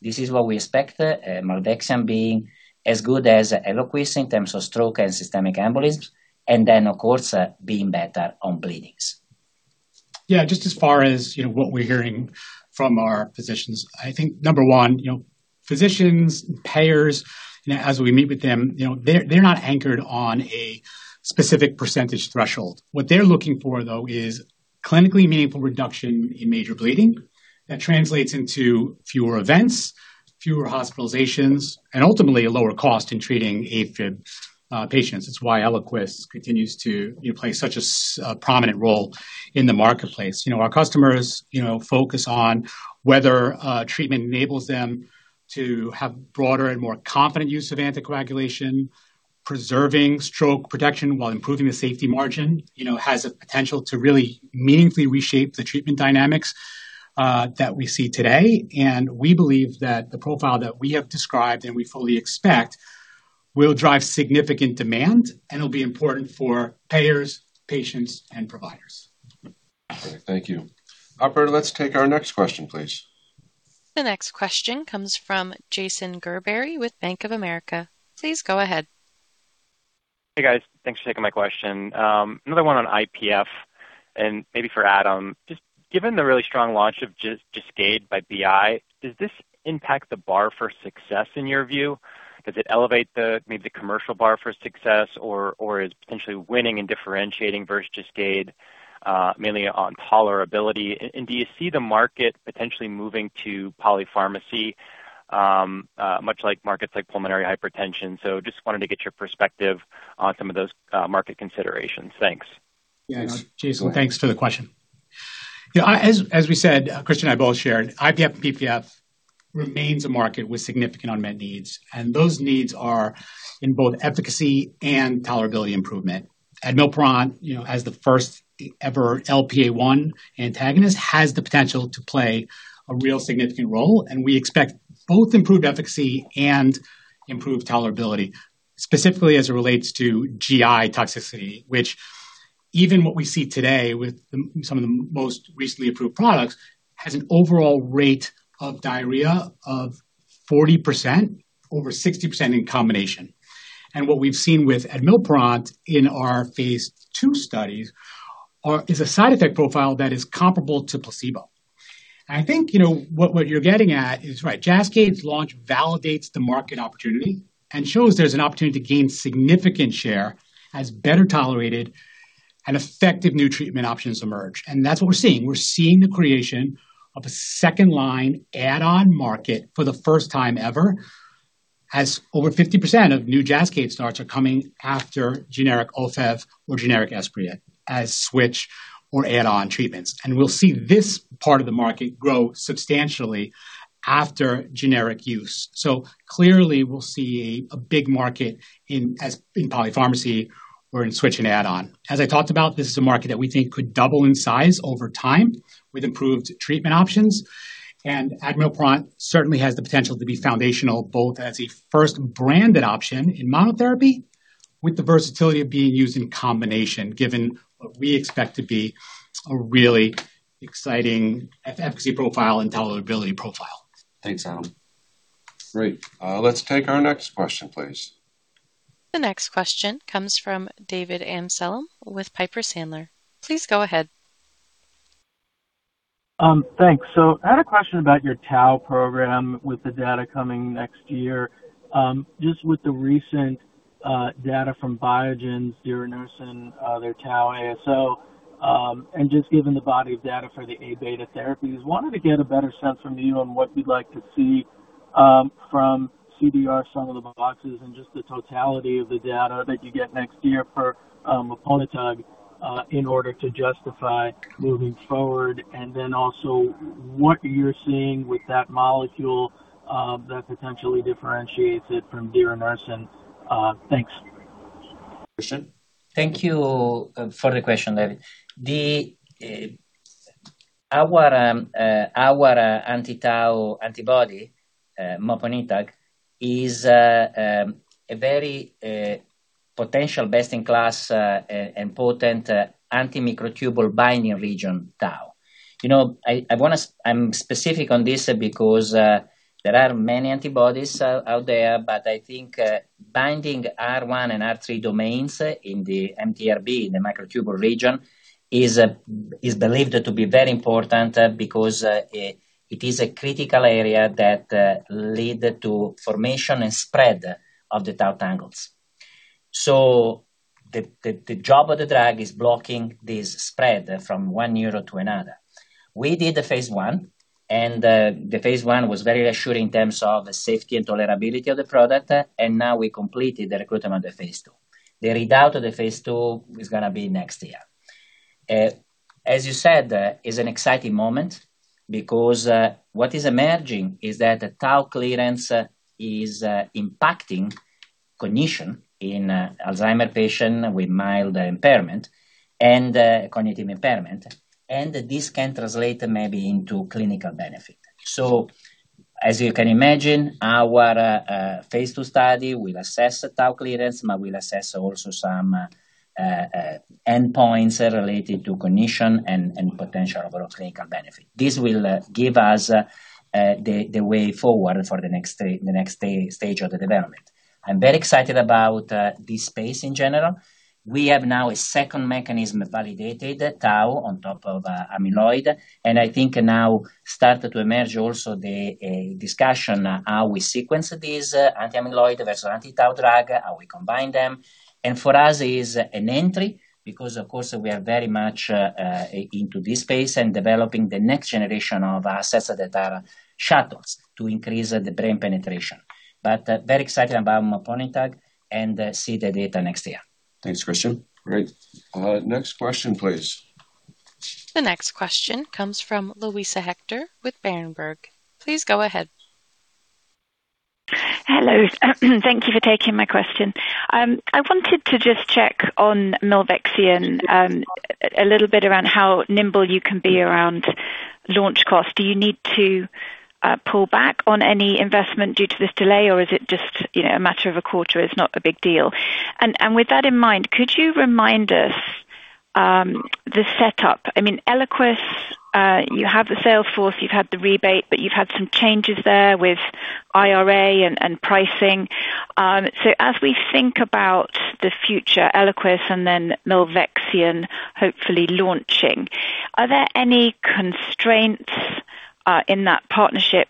This is what we expect, milvexian being as good as ELIQUIS in terms of stroke and systemic embolisms, then, of course, being better on bleedings. Yeah. Just as far as what we're hearing from our physicians, I think, number one, physicians, payers, as we meet with them, they're not anchored on a specific percentage threshold. What they're looking for, though, is clinically meaningful reduction in major bleeding that translates into fewer events, fewer hospitalizations, and ultimately a lower cost in treating Afib patients. It's why ELIQUIS continues to play such a prominent role in the marketplace. Our customers focus on whether treatment enables them to have broader and more confident use of anticoagulation, preserving stroke protection while improving the safety margin has a potential to really meaningfully reshape the treatment dynamics that we see today. We believe that the profile that we have described, and we fully expect, will drive significant demand and will be important for payers, patients, and providers. Okay, thank you. Operator, let's take our next question, please. The next question comes from Jason Gerberry with Bank of America. Please go ahead. Hey, guys. Thanks for taking my question. Another one on IPF and maybe for Adam. Just given the really strong launch of Jascayd by BI, does this impact the bar for success, in your view? Does it elevate maybe the commercial bar for success? Or is potentially winning and differentiating versus Jascayd mainly on tolerability? Do you see the market potentially moving to polypharmacy, much like markets like pulmonary hypertension? Just wanted to get your perspective on some of those market considerations. Thanks. Yeah. Jason, Go ahead thanks for the question. As we said, Cristian and I both shared, IPF and PPF remains a market with significant unmet needs, and those needs are in both efficacy and tolerability improvement. Admilpron, as the first ever LPA1 antagonist, has the potential to play a real significant role. We expect both improved efficacy and improved tolerability, specifically as it relates to GI toxicity, which even what we see today with some of the most recently approved products, has an overall rate of diarrhea of 40%, over 60% in combination. What we've seen with Admilpron in our phase II studies is a side effect profile that is comparable to placebo. I think, what you're getting at is right. Jascayd's launch validates the market opportunity and shows there's an opportunity to gain significant share as better tolerated and effective new treatment options emerge. That's what we're seeing. We're seeing the creation of a second-line add-on market for the first time ever, as over 50% of new Jascayd starts are coming after generic Ofev or generic Esbriet as switch or add-on treatments. We'll see this part of the market grow substantially after generic use. Clearly, we'll see a big market in polypharmacy or in switch and add-on. As I talked about, this is a market that we think could double in size over time with improved treatment options. Admilpron certainly has the potential to be foundational, both as a first-branded option in monotherapy, with the versatility of being used in combination, given what we expect to be a really exciting efficacy profile and tolerability profile. Thanks, Adam. Great. Let's take our next question, please. The next question comes from David Amsellem with Piper Sandler. Please go ahead. Thanks. I had a question about your tau program with the data coming next year. Just with the recent data from Biogen's donanemab, their tau ASO, and just given the body of data for the Abeta therapies, wanted to get a better sense from you on what you'd like to see from CDR-SB some of the boxes and just the totality of the data that you get next year for moponitat in order to justify moving forward, and then also what you're seeing with that molecule that potentially differentiates it from donanemab. Thanks. Cristian? Thank you for the question, David. Our anti-tau antibody, moponitat, is a very potential best-in-class, important anti-microtubule binding region tau. I'm specific on this because there are many antibodies out there, but I think binding R1 and R3 domains in the MTBR, in the microtubule region, is believed to be very important because it is a critical area that lead to formation and spread of the tau tangles. The job of the drug is blocking this spread from one neuro to another. We did the phase I, and the phase I was very reassuring in terms of the safety and tolerability of the product. Now we completed the recruitment of the phase II. The readout of the phase II is going to be next year. As you said, it's an exciting moment because what is emerging is that the tau clearance is impacting cognition in Alzheimer patient with mild impairment and cognitive impairment, and this can translate maybe into clinical benefit. As you can imagine, our phase II study will assess tau clearance, but will assess also some endpoints related to cognition and potential overall clinical benefit. This will give us the way forward for the next stage of the development. I'm very excited about this space in general. We have now a second mechanism validated, Tau on top of amyloid. I think now started to emerge also the discussion how we sequence this anti-amyloid versus anti-Tau drug, how we combine them. For us, it is an entry, because, of course, we are very much into this space and developing the next generation of assets that are shuttles to increase the brain penetration. Very excited about moponitat and see the data next year. Thanks, Cristian. Great. Next question, please. The next question comes from Luisa Hector with Berenberg. Please go ahead. Hello. Thank you for taking my question. I wanted to just check on milvexian a little bit around how nimble you can be around launch costs. Do you need to pull back on any investment due to this delay, or is it just a matter of a quarter is not a big deal? With that in mind, could you remind us the setup? I mean, ELIQUIS, you have the sales force, you've had the rebate, you've had some changes there with IRA and pricing. As we think about the future ELIQUIS and then milvexian hopefully launching, are there any constraints in that partnership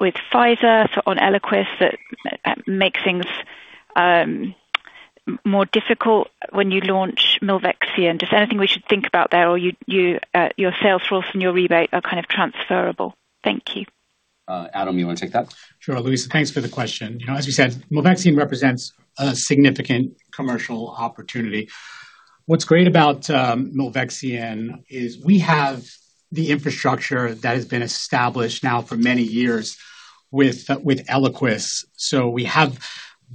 with Pfizer on ELIQUIS that makes things more difficult when you launch milvexian? Just anything we should think about there, or your sales force and your rebate are kind of transferable. Thank you. Adam, you want to take that? Sure. Luisa, thanks for the question. As you said, milvexian represents a significant commercial opportunity. What's great about milvexian is we have the infrastructure that has been established now for many years with ELIQUIS. We have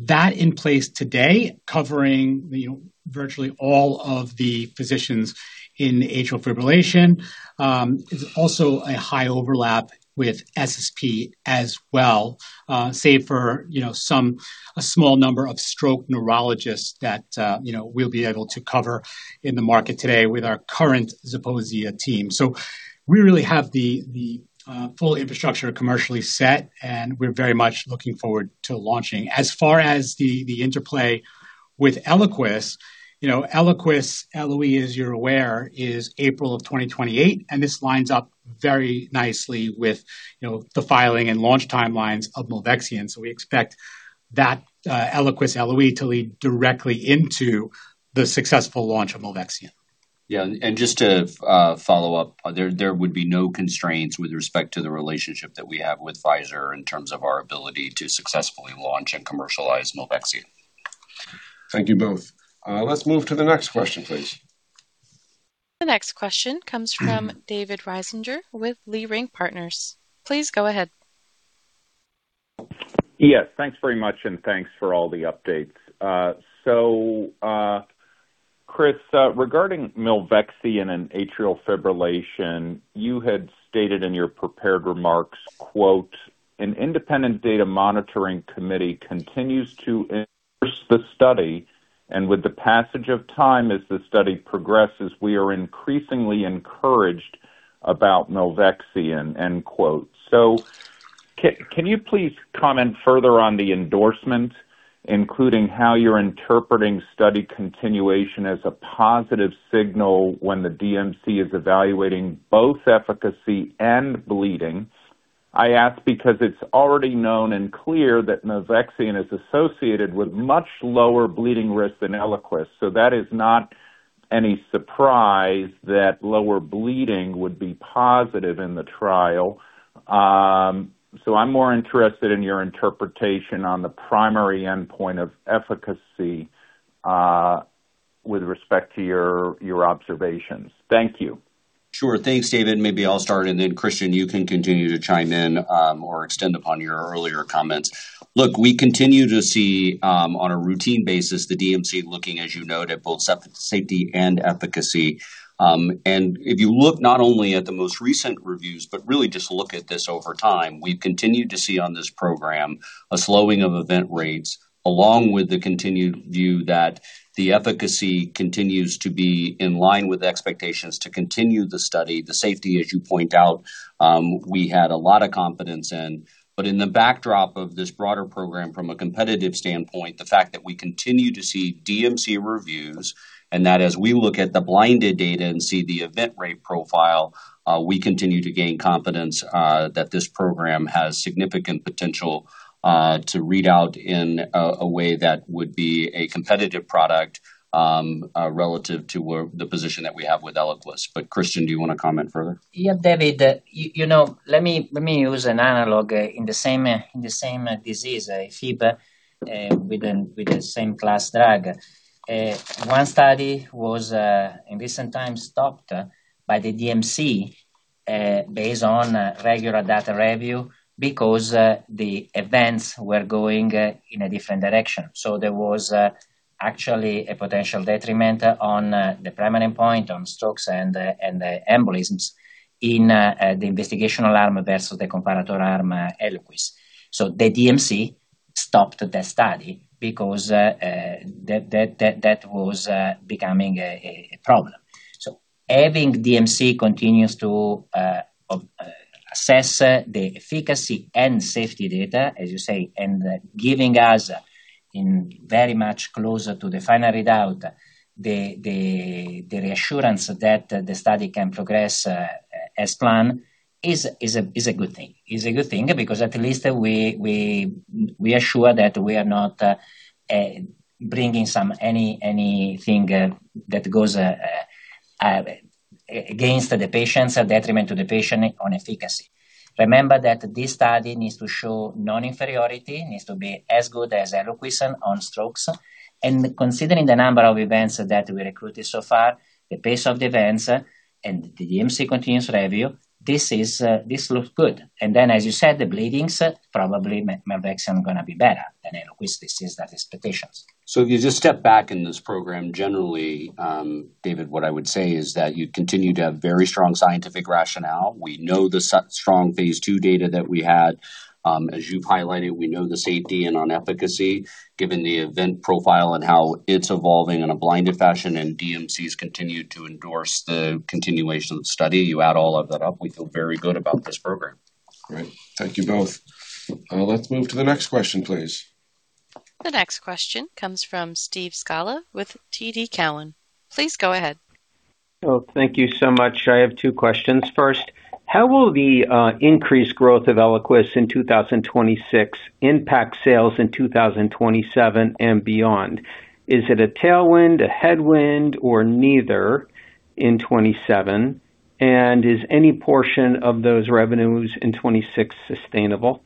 that in place today covering virtually all of the physicians in atrial fibrillation. It's also a high overlap with SSP as well, save for a small number of stroke neurologists that we'll be able to cover in the market today with our current Zeposia team. We really have the full infrastructure commercially set, and we're very much looking forward to launching. As far as the interplay with ELIQUIS LOE, as you're aware, is April of 2028, and this lines up very nicely with the filing and launch timelines of milvexian. We expect that ELIQUIS LOE to lead directly into the successful launch of milvexian. Yeah. Just to follow up, there would be no constraints with respect to the relationship that we have with Pfizer in terms of our ability to successfully launch and commercialize milvexian. Thank you both. Let's move to the next question, please. The next question comes from David Risinger with Leerink Partners. Please go ahead. Thanks very much, and thanks for all the updates. Chris, regarding milvexian and atrial fibrillation, you had stated in your prepared remarks, quote, "An independent data monitoring committee continues to endorse the study, and with the passage of time as the study progresses, we are increasingly encouraged about milvexian," end quote. Can you please comment further on the endorsement, including how you're interpreting study continuation as a positive signal when the DMC is evaluating both efficacy and bleeding? I ask because it's already known and clear that milvexian is associated with much lower bleeding risk than ELIQUIS. That is not any surprise that lower bleeding would be positive in the trial. I'm more interested in your interpretation on the primary endpoint of efficacy with respect to your observations. Thank you. Sure. Thanks, David. Maybe I'll start, and then Cristian, you can continue to chime in or extend upon your earlier comments. Look, we continue to see on a routine basis the DMC looking, as you note, at both safety and efficacy. If you look not only at the most recent reviews, but really just look at this over time, we've continued to see on this program a slowing of event rates along with the continued view that the efficacy continues to be in line with expectations to continue the study. The safety, as you point out, we had a lot of confidence in. In the backdrop of this broader program from a competitive standpoint, the fact that we continue to see DMC reviews and that as we look at the blinded data and see the event rate profile, we continue to gain confidence that this program has significant potential to read out in a way that would be a competitive product relative to the position that we have with ELIQUIS. Cristian, do you want to comment further? Yeah, David. Let me use an analog in the same disease, Afib, with the same class drug. One study was in recent times stopped by the DMC based on regular data review because the events were going in a different direction. There was actually a potential detriment on the primary endpoint on strokes and embolisms in the investigational arm versus the comparator arm ELIQUIS. The DMC stopped the study because that was becoming a problem. Having DMC continues to assess the efficacy and safety data, as you say, and giving us very much closer to the final readout, the reassurance that the study can progress as planned is a good thing. Is a good thing because at least we are sure that we are not bringing anything that goes against the patients or detriment to the patient on efficacy. Remember that this study needs to show non-inferiority, needs to be as good as ELIQUIS on strokes. Considering the number of events that we recruited so far, the pace of the events and the DMC continuous review, this looks good. Then, as you said, the bleedings, probably milvexian going to be better than ELIQUIS. This is that expectations. If you just step back in this program generally, David, what I would say is that you continue to have very strong scientific rationale. We know the strong phase II data that we had. As you've highlighted, we know the safety and on efficacy, given the event profile and how it's evolving in a blinded fashion and DMCs continued to endorse the continuation of the study. You add all of that up, we feel very good about this program. Great. Thank you both. Let's move to the next question, please. The next question comes from Steve Scala with TD Cowen. Please go ahead. Oh, thank you so much. I have two questions. First, how will the increased growth of ELIQUIS in 2026 impact sales in 2027 and beyond? Is it a tailwind, a headwind, or neither in 2027? Is any portion of those revenues in 2026 sustainable?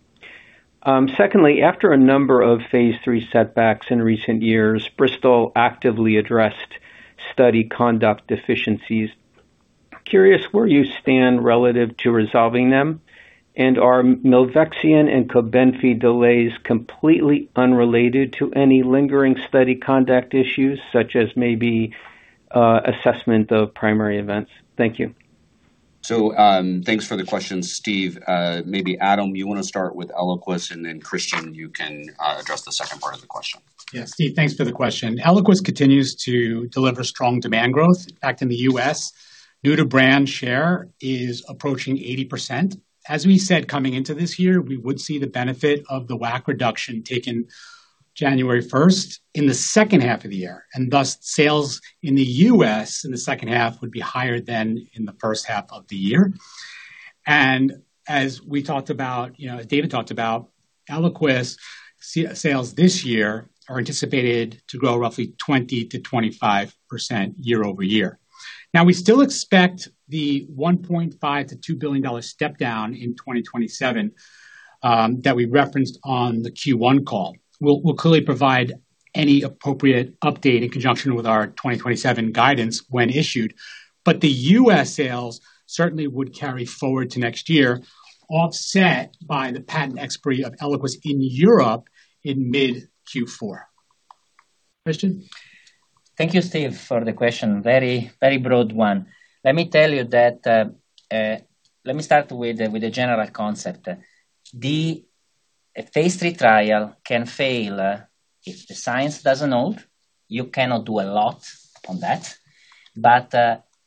Secondly, after a number of phase III setbacks in recent years, Bristol actively addressed study conduct deficiencies. Curious where you stand relative to resolving them and are milvexian and COBENFY delays completely unrelated to any lingering study conduct issues, such as maybe assessment of primary events? Thank you. Thanks for the question, Steve. Maybe Adam, you want to start with ELIQUIS, and then Cristian, you can address the second part of the question. Steve, thanks for the question. ELIQUIS continues to deliver strong demand growth. In fact, in the U.S., new to brand share is approaching 80%. As we said, coming into this year, we would see the benefit of the WAC reduction taken January 1st in the second half of the year, and thus sales in the U.S. in the second half would be higher than in the first half of the year. As David talked about, ELIQUIS sales this year are anticipated to grow roughly 20%-25% year-over-year. We still expect the $1.5 billion-$2 billion step down in 2027 that we referenced on the Q1 call. We'll clearly provide any appropriate update in conjunction with our 2027 guidance when issued. The U.S. sales certainly would carry forward to next year, offset by the patent expiry of ELIQUIS in Europe in mid Q4. Cristian? Thank you, Steve, for the question. Very broad one. Let me start with a general concept. A phase III trial can fail if the science doesn't hold. You cannot do a lot on that.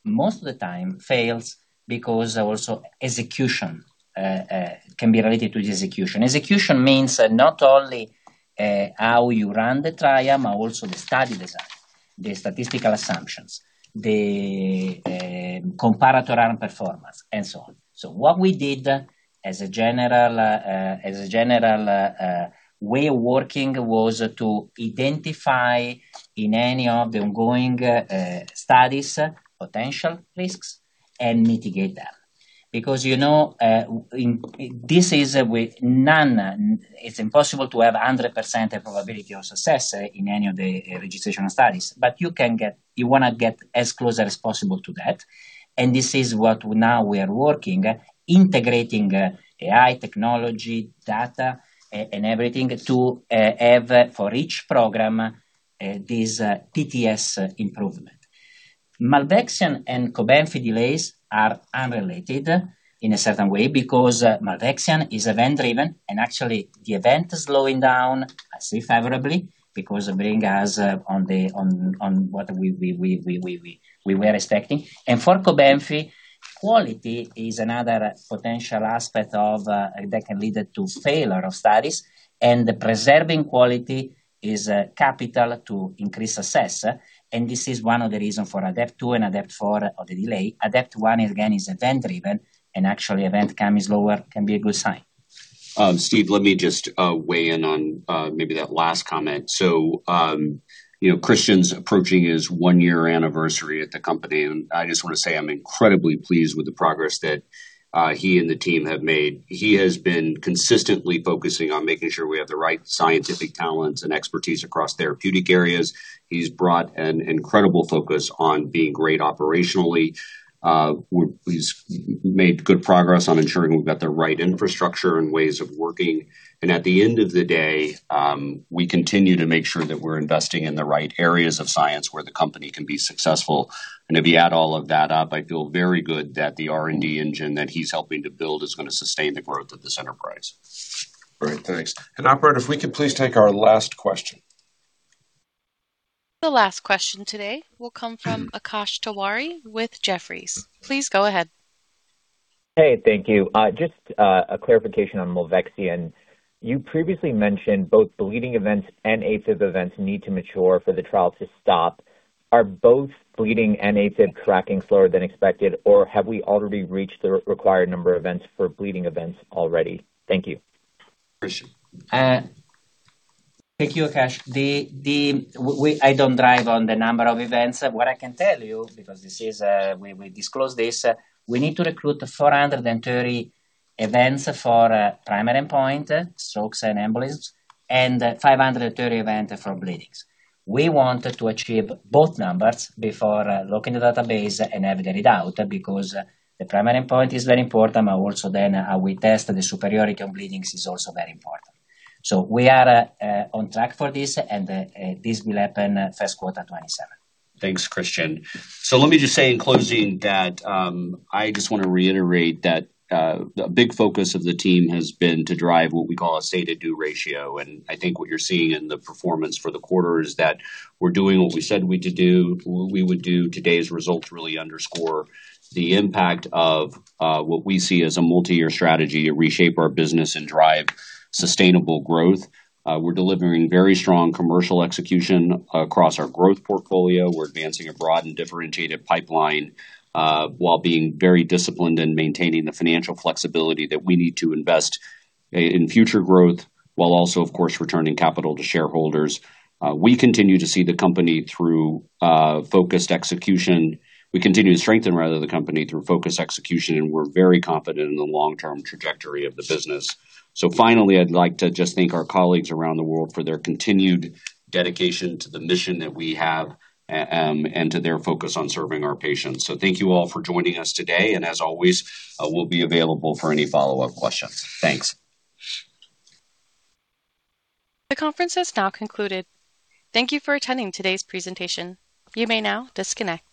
Most of the time fails because also execution can be related to the execution. Execution means not only how you run the trial, but also the study design, the statistical assumptions, the comparator arm performance and so on. What we did as a general way of working was to identify in any of the ongoing studies potential risks and mitigate them. Because this is with none, it's impossible to have 100% probability of success in any of the registrational studies. You want to get as close as possible to that. This is what now we are working, integrating AI technology, data, and everything to have for each program this PTS improvement. Milvexian and COBENFY delays are unrelated in a certain way because milvexian is event-driven, and actually the event is slowing down, I see favorably, because it bring us on what we were expecting. For COBENFY, quality is another potential aspect that can lead to failure of studies, and preserving quality is capital to increase success. This is one of the reason for ADEPT-2 and ADEPT-4 of the delay. ADEPT-1 again, is event-driven, and actually event count is lower can be a good sign. Steve, let me just weigh in on maybe that last comment. Cristian's approaching his one-year anniversary at the company, and I just want to say I'm incredibly pleased with the progress that he and the team have made. He has been consistently focusing on making sure we have the right scientific talents and expertise across therapeutic areas. He's brought an incredible focus on being great operationally. He's made good progress on ensuring we've got the right infrastructure and ways of working. At the end of the day, we continue to make sure that we're investing in the right areas of science where the company can be successful. If you add all of that up, I feel very good that the R&D engine that he's helping to build is going to sustain the growth of this enterprise. Great. Thanks. Operator, if we could please take our last question. The last question today will come from Akash Tewari with Jefferies. Please go ahead. Hey, thank you. Just a clarification on milvexian. You previously mentioned both bleeding events and Afib events need to mature for the trial to stop. Are both bleeding and Afib tracking slower than expected, or have we already reached the required number of events for bleeding events already? Thank you. Cristian? Thank you, Akash. I don't drive on the number of events. What I can tell you, because we disclose this, we need to recruit 430 events for primary endpoint, strokes and embolisms, and 530 event for bleedings. We want to achieve both numbers before locking the database and have it read out, because the primary endpoint is very important, but also then how we test the superiority on bleedings is also very important. We are on track for this, and this will happen first quarter 2027. Thanks, Cristian. Let me just say in closing that I just want to reiterate that a big focus of the team has been to drive what we call a say-to-do ratio, and I think what you're seeing in the performance for the quarter is that we're doing what we said we would do. Today's results really underscore the impact of what we see as a multi-year strategy to reshape our business and drive sustainable growth. We're delivering very strong commercial execution across our growth portfolio. We're advancing a broad and differentiated pipeline, while being very disciplined and maintaining the financial flexibility that we need to invest in future growth, while also of course, returning capital to shareholders. We continue to strengthen the company through focused execution, and we're very confident in the long-term trajectory of the business. Finally, I'd like to just thank our colleagues around the world for their continued dedication to the mission that we have and to their focus on serving our patients. Thank you all for joining us today, and as always, we'll be available for any follow-up questions. Thanks. The conference has now concluded. Thank you for attending today's presentation. You may now disconnect.